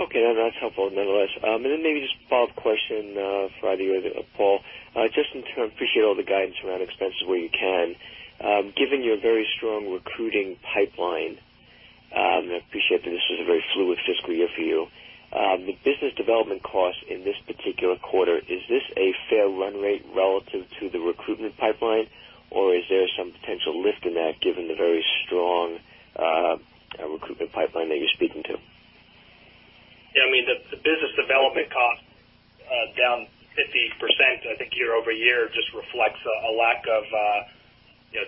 Okay. That's helpful nonetheless. And then maybe just follow-up question for either you or Paul. Just in terms of, I appreciate all the guidance around expenses where you can. Given your very strong recruiting pipeline, and I appreciate that this was a very fluid fiscal year for you, the business development costs in this particular quarter, is this a fair run rate relative to the recruitment pipeline, or is there some potential lift in that given the very strong recruitment pipeline that you're speaking to?
Yeah. I mean, the business development costs down 50%, I think year-over-year, just reflects a lack of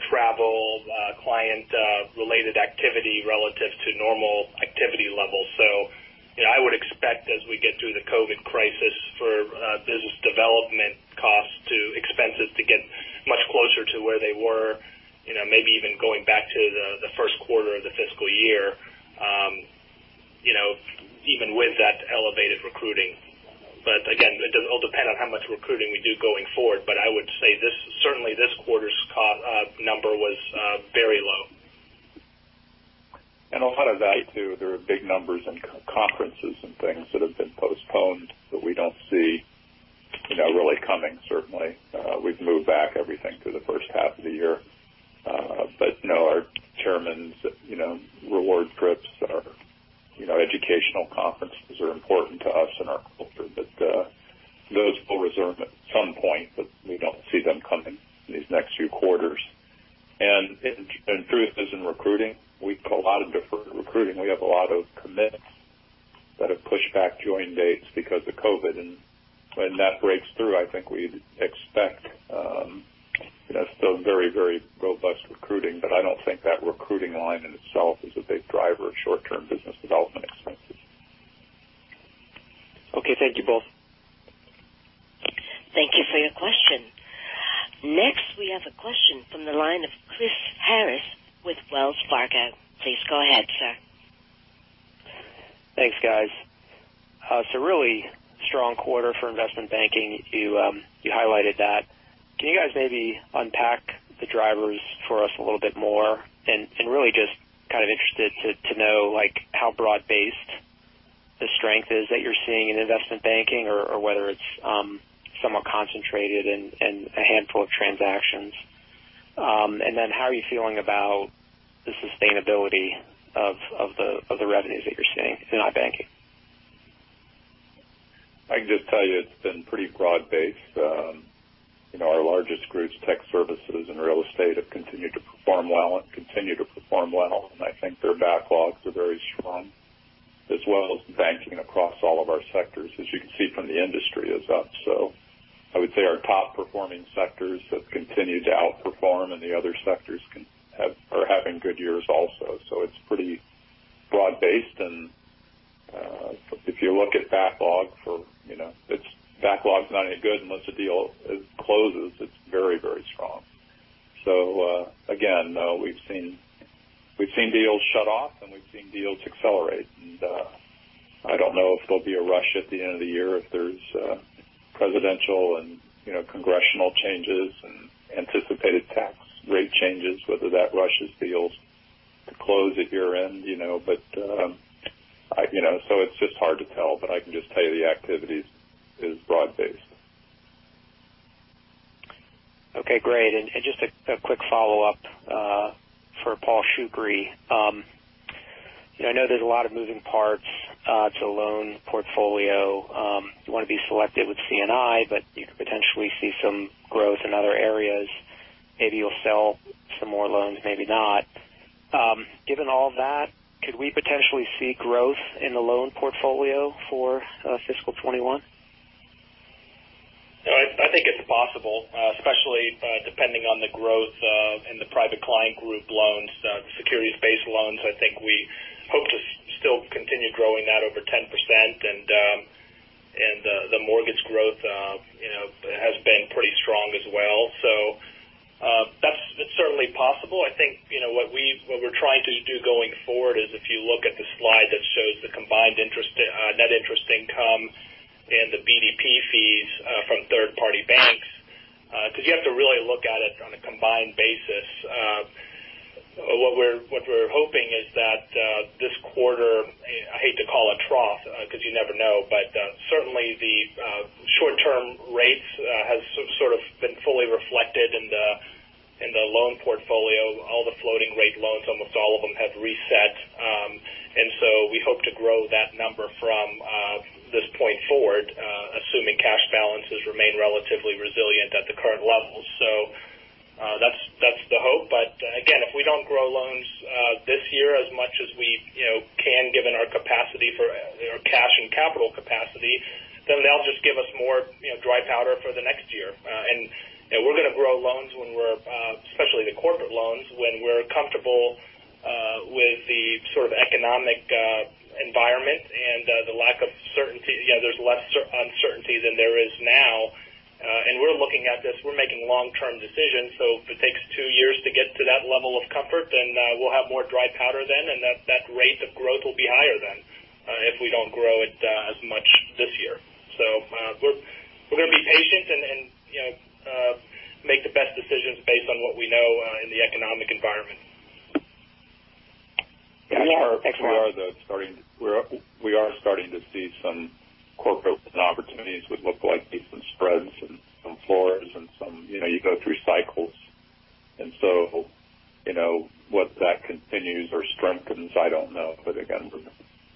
travel, client-related activity relative to normal activity levels. So I would expect, as we get through the COVID crisis, for business development costs to expenses to get much closer to where they were, maybe even going back to the first quarter of the fiscal year, even with that elevated recruiting. But again, it'll depend on how much recruiting we do going forward. But I would say certainly this quarter's number was very low.
And a lot of that, too, there are big numbers and conferences and things that have been postponed that we don't see really coming, certainly. We've moved back everything to the first half of the year. But our chairman's reward trips or educational conferences are important to us in our culture. But those will reserve at some point, but we don't see them coming in these next few quarters. And through this and recruiting, we've got a lot of deferred recruiting. We have a lot of commitments that have pushed back join dates because of COVID. And when that breaks through, I think we'd expect still very, very robust recruiting. But I don't think that recruiting line in itself is a big driver of short-term business development expenses.
Okay. Thank you both.
Thank you for your question. Next, we have a question from the line of Chris Harris with Wells Fargo. Please go ahead, sir.
Thanks, guys. It's a really strong quarter for investment banking. You highlighted that. Can you guys maybe unpack the drivers for us a little bit more? And really just kind of interested to know how broad-based the strength is that you're seeing in investment banking or whether it's somewhat concentrated in a handful of transactions. And then how are you feeling about the sustainability of the revenues that you're seeing in Banking?
I can just tell you it's been pretty broad-based. Our largest groups, tech services and real estate, have continued to perform well and continue to perform well. And I think their backlogs are very strong, as well as banking across all of our sectors, as you can see from the industry is up. So I would say our top-performing sectors have continued to outperform, and the other sectors are having good years also. So it's pretty broad-based. And if you look at backlog, it's backlog's not any good unless a deal closes. It's very, very strong. So again, we've seen deals shut off, and we've seen deals accelerate. And I don't know if there'll be a rush at the end of the year if there's presidential and congressional changes and anticipated tax rate changes, whether that rushes deals to close at year-end. But so it's just hard to tell. But I can just tell you the activity is broad-based.
Okay. Great. And just a quick follow-up for Paul Shoukry. I know there's a lot of moving parts to a loan portfolio. You want to be selective with C&I, but you could potentially see some growth in other areas. Maybe you'll sell some more loans, maybe not. Given all that, could we potentially see growth in the loan portfolio for fiscal 2021?
I think it's possible, especially depending on the growth in the Private Client Group loans, securities-based loans. I think we hope to still continue growing that over 10%. And the mortgage growth has been pretty strong as well. So that's certainly possible. I think what we're trying to do going forward is, if you look at the slide that shows the combined net interest income and the BDP fees from third-party banks, because you have to really look at it on a combined basis, what we're hoping is that this quarter, I hate to call it trough because you never know, but certainly the short-term rates have sort of been fully reflected in the loan portfolio. All the floating-rate loans, almost all of them, have reset. And so we hope to grow that number from this point forward, assuming cash balances remain relatively resilient at the current levels. So that's the hope. But again, if we don't grow loans this year as much as we can, given our capacity for our cash and capital capacity, then they'll just give us more dry powder for the next year. And we're going to grow loans, especially the corporate loans, when we're comfortable with the sort of economic environment and the lack of certainty. There's less uncertainty than there is now. And we're looking at this. We're making long-term decisions. So if it takes two years to get to that level of comfort, then we'll have more dry powder then. And that rate of growth will be higher then if we don't grow it as much this year. So we're going to be patient and make the best decisions based on what we know in the economic environment. Yeah.
We are starting to see some corporate opportunities with lookalike and some spreads and some floors and some, you go through cycles. And so whether that continues or strengthens, I don't know. But again,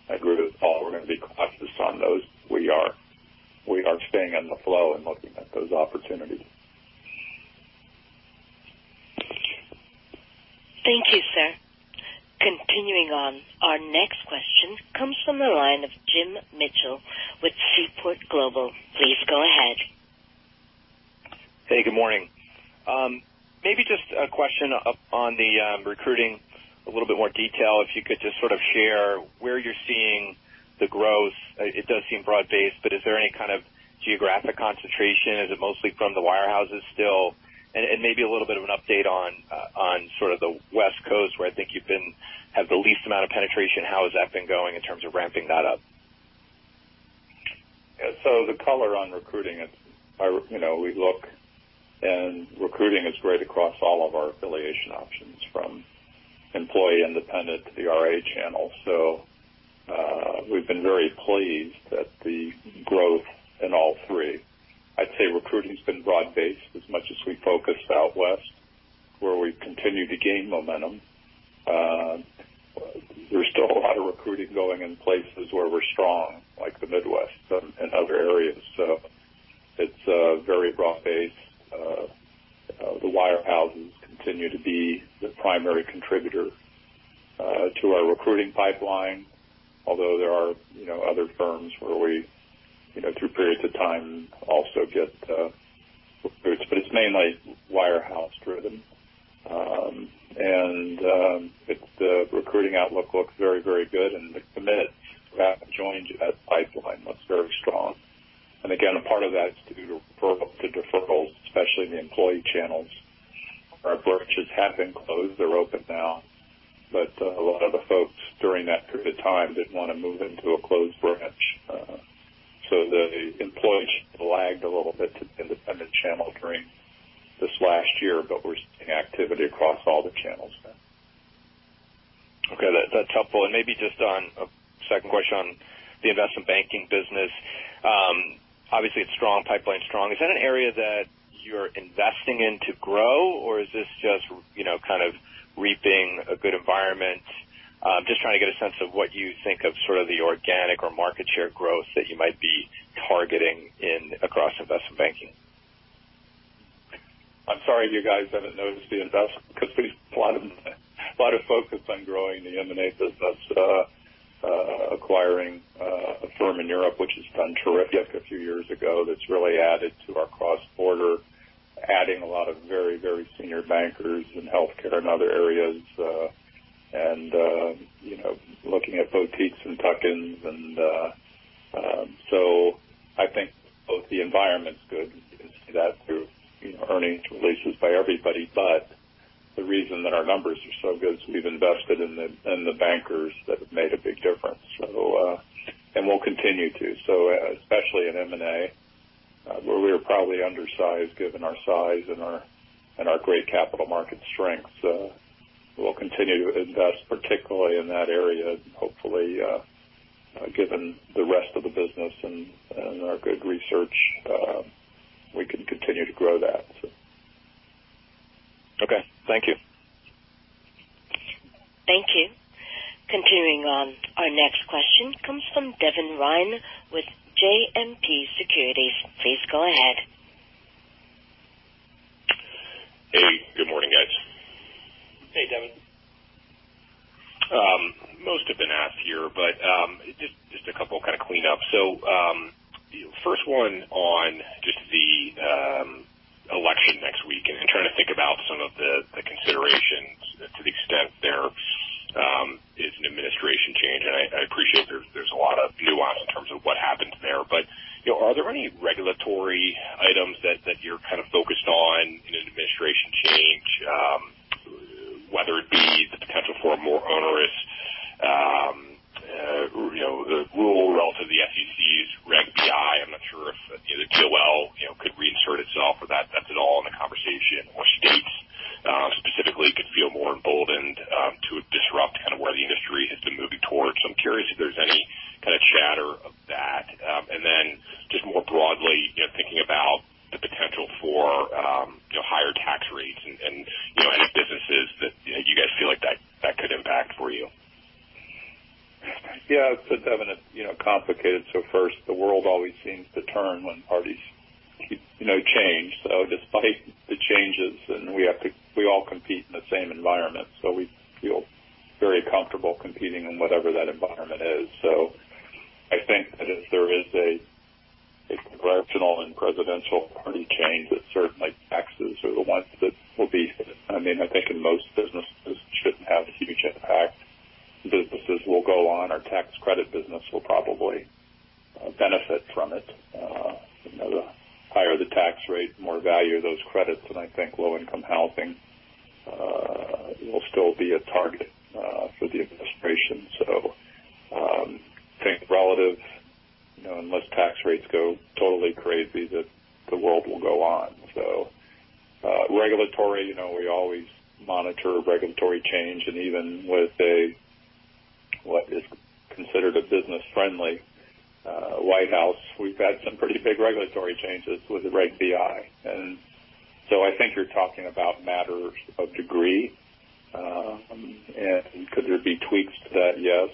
I agree with Paul. We're going to be cautious on those. We are staying on the flow and looking at those opportunities.
Thank you, sir. Continuing on, our next question comes from the line of Jim Mitchell with Seaport Global. Please go ahead.
Hey. Good morning. Maybe just a question on the recruiting, a little bit more detail. If you could just sort of share where you're seeing the growth. It does seem broad-based, but is there any kind of geographic concentration? Is it mostly from the wirehouses still? And maybe a little bit of an update on sort of the West Coast, where I think you have the least amount of penetration. How has that been going in terms of ramping that up?
So the color on recruiting, we look, and recruiting is great across all of our affiliation options from employee, independent to the RIA channel. So we've been very pleased at the growth in all three. I'd say recruiting has been broad-based as much as we focus out west, where we've continued to gain momentum. There's still a lot of recruiting going in places where we're strong, like the Midwest and other areas. So it's very broad-based. The wirehouses continue to be the primary contributor to our recruiting pipeline, although there are other firms where we, through periods of time, also get recruits. But it's mainly wirehouse-driven. And the recruiting outlook looks very, very good. And the commit-to-join pipeline looks very strong. And again, a part of that is due to deferrals, especially the employee channels. Our branches have been closed. They're open now. But a lot of the folks during that period of time didn't want to move into a closed branch. So the employee channel lagged a little bit to the independent channel during this last year, but we're seeing activity across all the channels now. Okay. That's helpful. And maybe just on a second question on the investment banking business, obviously, it's strong. Pipeline's strong. Is that an area that you're investing in to grow, or is this just kind of reaping a good environment? Just trying to get a sense of what you think of sort of the organic or market share growth that you might be targeting across investment banking.
I'm sorry you guys haven't noticed the investment because we've got a lot of focus on growing the M&A business, acquiring a firm in Europe, which has done terrific a few years ago. That's really added to our cross-border, adding a lot of very, very senior bankers in healthcare and other areas, and looking at boutiques and tuck-ins, and so I think both the environment's good. You can see that through earnings releases by everybody, but the reason that our numbers are so good is we've invested in the bankers that have made a big difference, and we'll continue to, so especially in M&A, where we are probably undersized given our size and our great capital market strengths, we'll continue to invest, particularly in that area, and hopefully, given the rest of the business and our good research, we can continue to grow that.
Okay. Thank you.
Thank you. Continuing on, our next question comes from Devin Ryan with JMP Securities. Please go ahead.
Hey. Good morning, guys. Hey, Devin. Most have been asked here, but just a couple of kind of clean-ups. So first one on just the election next week and trying to think about some of the considerations to the extent there is an administration change. And I appreciate there's a lot of nuance in terms of what happens there. But are there any regulatory items that you're kind of focused on in an administration change, whether it be the potential for a more onerous rule relative to the SEC's Reg BI? I'm not sure if the DOL could reinsert itself, but that's at all in the conversation. Or states specifically could feel more emboldened to disrupt kind of where the industry has been moving towards. So I'm curious if there's any kind of chatter of that. And then just more broadly, thinking about the potential for higher tax rates and any businesses that you guys feel like that could impact for you.
Yeah. It's been complicated. So first, the world always seems to turn when parties change. So despite the changes, we all compete in the same environment. So we feel very comfortable competing in whatever that environment is. So I think that if there is a congressional and presidential party change, that certainly taxes are the ones that will be, I mean, I think in most businesses it shouldn't have a huge impact. Businesses will go on. Our tax credit business will probably benefit from it. The higher the tax rate, the more value of those credits. And I think low-income housing will still be a target for the administration. So I think relative, unless tax rates go totally crazy, that the world will go on. So, regulatory, we always monitor regulatory change. And even with what is considered a business-friendly White House, we've had some pretty big regulatory changes with the Reg BI. And so I think you're talking about matters of degree. And could there be tweaks to that? Yes.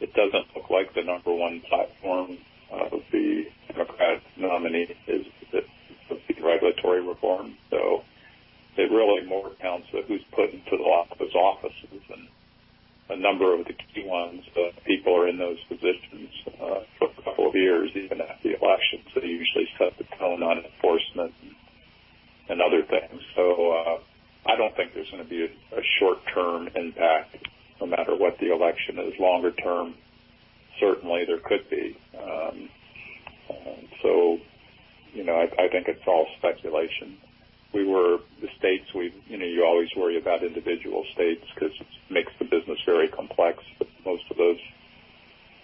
It doesn't look like the number one platform of the Democratic nominee is the regulatory reform. So it really more counts on who's put into the lower offices. And a number of the key ones, people are in those positions for a couple of years, even after the election. So they usually set the tone on enforcement and other things. So I don't think there's going to be a short-term impact no matter what the election is. Longer-term, certainly there could be. So I think it's all speculation. The states, you always worry about individual states because it makes the business very complex. But most of those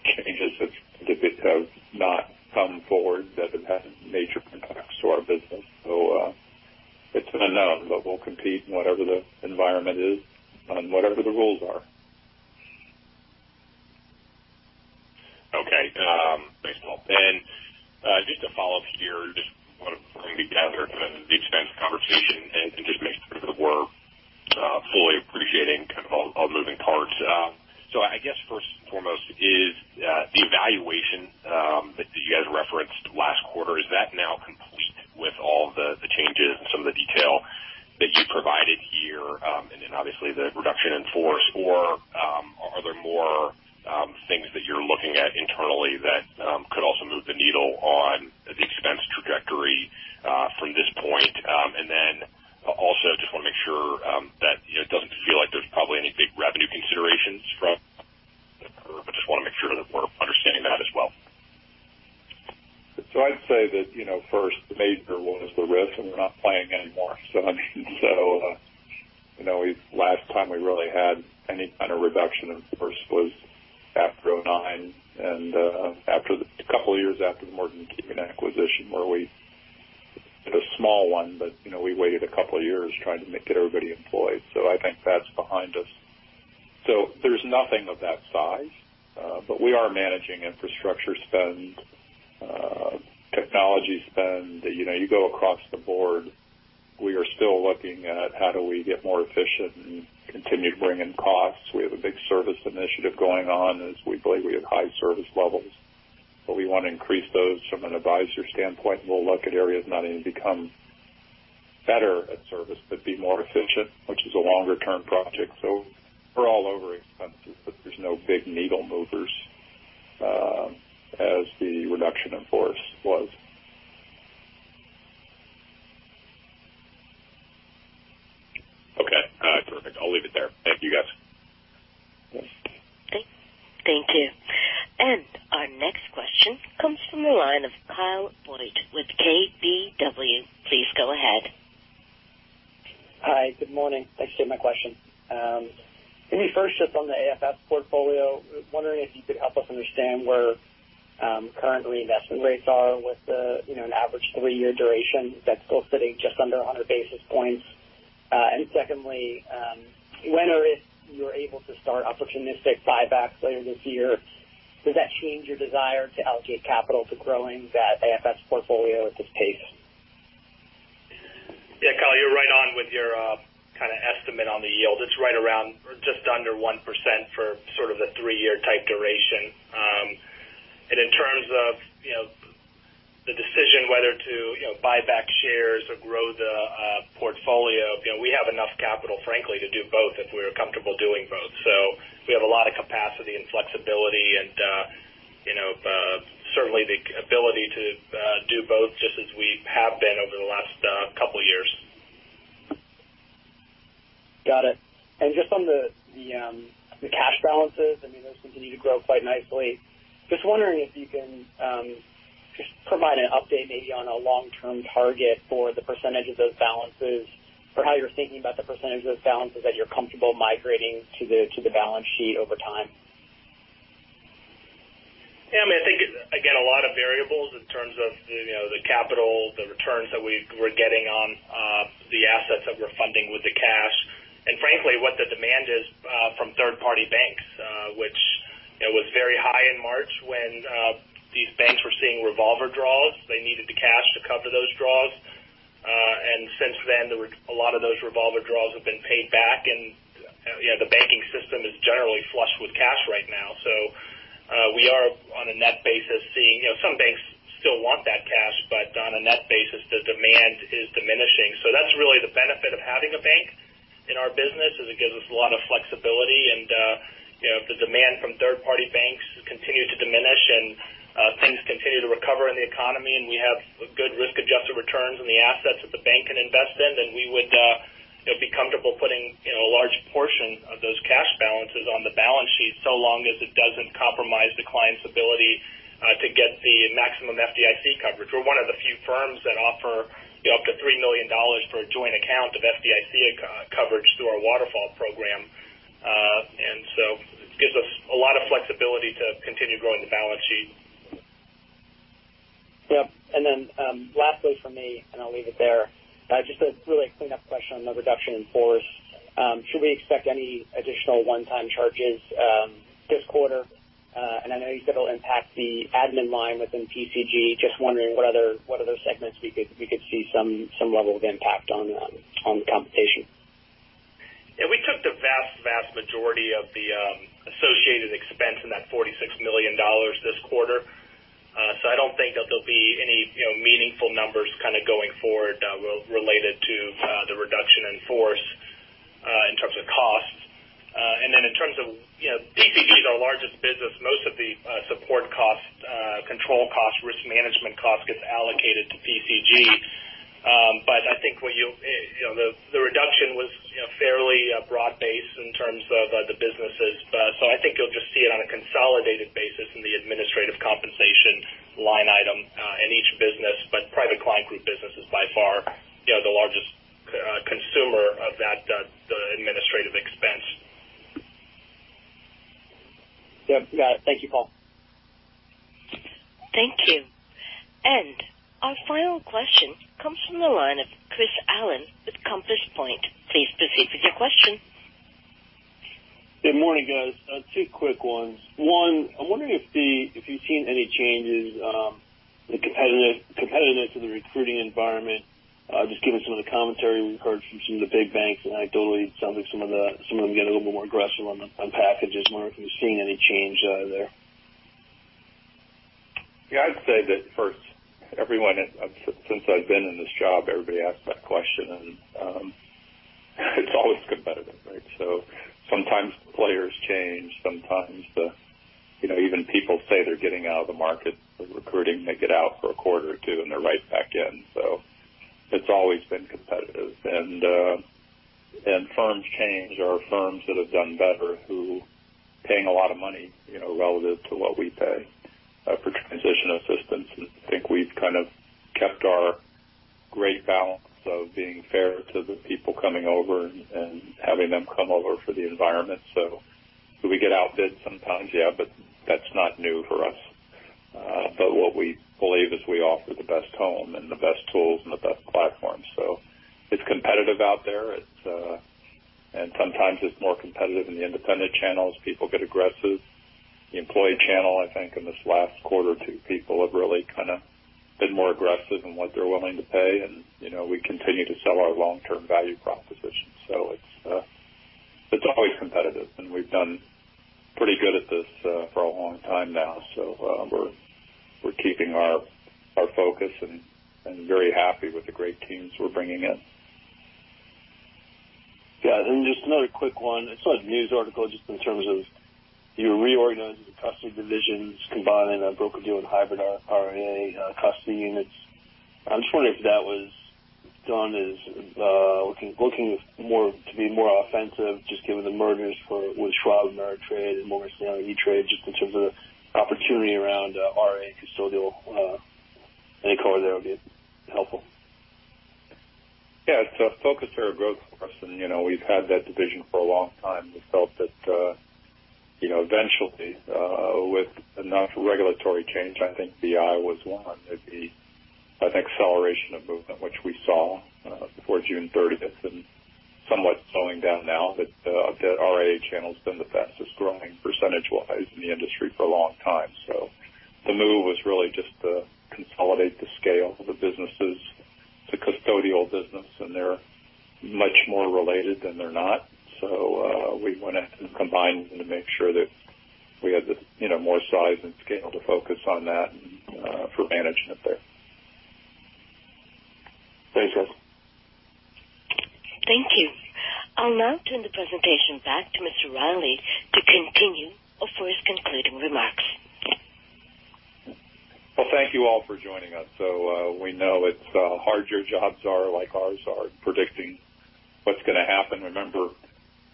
changes have not come forward that have had major impacts to our business. So it's unknown, but we'll compete in whatever the environment is and whatever the rules are.
Okay. Thanks, Paul. And just to follow up here, just want to bring together kind of the extent of the conversation and just make sure that we're fully appreciating kind of all the moving parts. So I guess first and foremost is the evaluation that you guys referenced last quarter? Is that now complete with all the changes and some of the detail that you provided here? And then obviously, the reduction in force. Or are there more things that you're looking at internally that could also move the needle on the expense trajectory from this point? And then also just want to make sure that it doesn't feel like there's probably any big revenue considerations from the curve. But just want to make sure that we're understanding that as well.
So I'd say that first, the major one is the risk, and we're not playing anymore. So I mean, so last time we really had any kind of reduction in force was after 2009 and after a couple of years after the Morgan Keegan acquisition, where we did a small one, but we waited a couple of years trying to get everybody employed. So I think that's behind us. So there's nothing of that size. But we are managing infrastructure spend, technology spend. You go across the board, we are still looking at how do we get more efficient and continue to bring in costs. We have a big service initiative going on, as we believe we have high service levels. But we want to increase those from an advisor standpoint. We'll look at areas to become even better at service but be more efficient, which is a longer-term project. So we're all over expenses, but there's no big needle movers as the reduction in force was.
Okay. Perfect. I'll leave it there. Thank you, guys.
Thank you. And our next question comes from the line of Kyle Boyd with KBW. Please go ahead.
Hi. Good morning. Thanks for taking my question. Maybe first, just on the AFS portfolio, wondering if you could help us understand where current reinvestment rates are with an average three-year duration. Is that still sitting just under 100 basis points? And secondly, when or if you are able to start opportunistic buybacks later this year, does that change your desire to allocate capital to growing that AFS portfolio at this pace?
Yeah. Kyle, you're right on with your kind of estimate on the yield. It's right around just under 1% for sort of the three-year type duration. And in terms of the decision whether to buy back shares or grow the portfolio, we have enough capital, frankly, to do both if we're comfortable doing both. So we have a lot of capacity and flexibility and certainly the ability to do both just as we have been over the last couple of years.
Got it. And just on the cash balances, I mean, those continue to grow quite nicely. Just wondering if you can just provide an update maybe on a long-term target for the percentage of those balances or how you're thinking about the percentage of those balances that you're comfortable migrating to the balance sheet over time?
Yeah. I mean, I think, again, a lot of variables in terms of the capital, the returns that we're getting on the assets that we're funding with the cash, and frankly, what the demand is from third-party banks, which was very high in March when these banks were seeing revolver draws. They needed the cash to cover those draws. And since then, a lot of those revolver draws have been paid back. And the banking system is generally flush with cash right now. So we are on a net basis seeing some banks still want that cash, but on a net basis, the demand is diminishing. So that's really the benefit of having a bank in our business, is it gives us a lot of flexibility. And if the demand from third-party banks continues to diminish and things continue to recover in the economy and we have good risk-adjusted returns in the assets that the bank can invest in, then we would be comfortable putting a large portion of those cash balances on the balance sheet so long as it doesn't compromise the client's ability to get the maximum FDIC coverage. We're one of the few firms that offer up to $3 million for a joint account of FDIC coverage through our waterfall program. And so it gives us a lot of flexibility to continue growing the balance sheet.
Yep. And then lastly for me, and I'll leave it there, just a really cleanup question on the reduction in force. Should we expect any additional one-time charges this quarter? And I know you said it'll impact the admin line within PCG. Just wondering what other segments we could see some level of impact on compensation.
Yeah. We took the vast, vast majority of the associated expense in that $46 million this quarter. So I don't think that there'll be any meaningful numbers kind of going forward related to the reduction in force in terms of costs. And then in terms of PCG, it's our largest business. Most of the support costs, control costs, risk management costs get allocated to PCG. But I think you'll see the reduction was fairly broad-based in terms of the businesses. So I think you'll just see it on a consolidated basis in the administrative compensation line item in each business. But Private Client Group business is by far the largest consumer of that administrative expense.
Yep. Got it. Thank you, Paul.
Thank you. And our final question comes from the line of Chris Allen with Compass Point. Please proceed with your question.
Good morning, guys. Two quick ones. One, I'm wondering if you've seen any changes in the competitiveness of the recruiting environment, just given some of the commentary we've heard from some of the big banks. And I totally sound like some of them get a little bit more aggressive on packages. Wonder if you've seen any change there.
Yeah. I'd say that first, everyone since I've been in this job, everybody asks that question. And it's always competitive, right? So sometimes players change. Sometimes even people say they're getting out of the market for recruiting. They get out for a quarter or two, and they're right back in. So it's always been competitive. And firms change. There are firms that have done better who are paying a lot of money relative to what we pay for transition assistance. And I think we've kind of kept our great balance of being fair to the people coming over and having them come over for the environment. So do we get outbid sometimes? Yeah. But that's not new for us. But what we believe is we offer the best home and the best tools and the best platforms. So it's competitive out there. And sometimes it's more competitive in the independent channels. People get aggressive. The employee channel, I think in this last quarter or two, people have really kind of been more aggressive in what they're willing to pay. And we continue to sell our long-term value proposition. So it's always competitive. And we've done pretty good at this for a long time now. So we're keeping our focus and very happy with the great teams we're bringing in.
Yeah. And then just another quick one. I saw a news article just in terms of you were reorganizing the custody divisions, combining a broker-dealer with hybrid RIA custody units. I'm just wondering if that was done as looking to be more offensive, just given the mergers with Schwab Ameritrade and Morgan Stanley E*TRADE, just in terms of the opportunity around RIA custodial. Any color there would be helpful.
Yeah. It's a focus for our growth focus. And we've had that division for a long time. We felt that eventually, with enough regulatory change, I think Reg BI was one. It'd be an acceleration of movement, which we saw before June 30th and somewhat slowing down now. But the RIA channel has been the fastest growing percentage-wise in the industry for a long time. So the move was really just to consolidate the scale of the businesses. It's a custodial business, and they're much more related than they're not. So we went ahead and combined them to make sure that we had more size and scale to focus on that for management there.
Thanks, guys.
Thank you. I'll now turn the presentation back to Mr. Reilly to continue with his concluding remarks.
Well, thank you all for joining us. So we know it's hard. Your jobs are like ours are predicting what's going to happen. Remember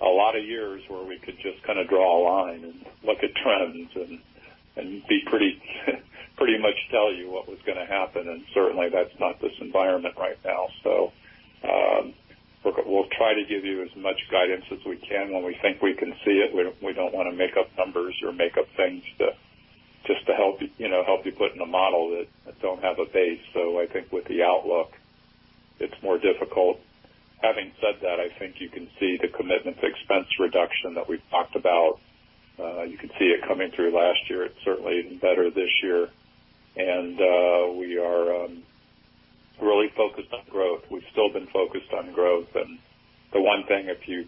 a lot of years where we could just kind of draw a line and look at trends and pretty much tell you what was going to happen. And certainly, that's not this environment right now. So we'll try to give you as much guidance as we can when we think we can see it. We don't want to make up numbers or make up things just to help you put in a model that don't have a base. So I think with the outlook, it's more difficult. Having said that, I think you can see the commitment to expense reduction that we've talked about. You can see it coming through last year. It's certainly even better this year. And we are really focused on growth. We've still been focused on growth. And the one thing, if you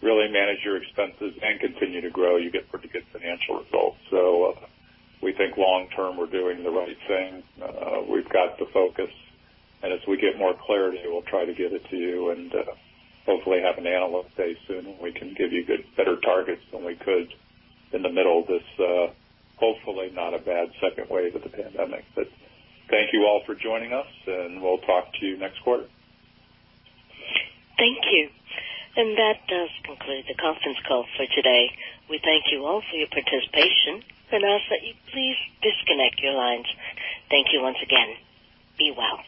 really manage your expenses and continue to grow, you get pretty good financial results. So we think long-term we're doing the right thing. We've got the focus. As we get more clarity, we'll try to get it to you and hopefully have an analyst day soon when we can give you better targets than we could in the middle of this, hopefully not a bad second wave of the pandemic. But thank you all for joining us, and we'll talk to you next quarter.
Thank you. And that does conclude the conference call for today. We thank you all for your participation and ask that you please disconnect your lines. Thank you once again. Be well.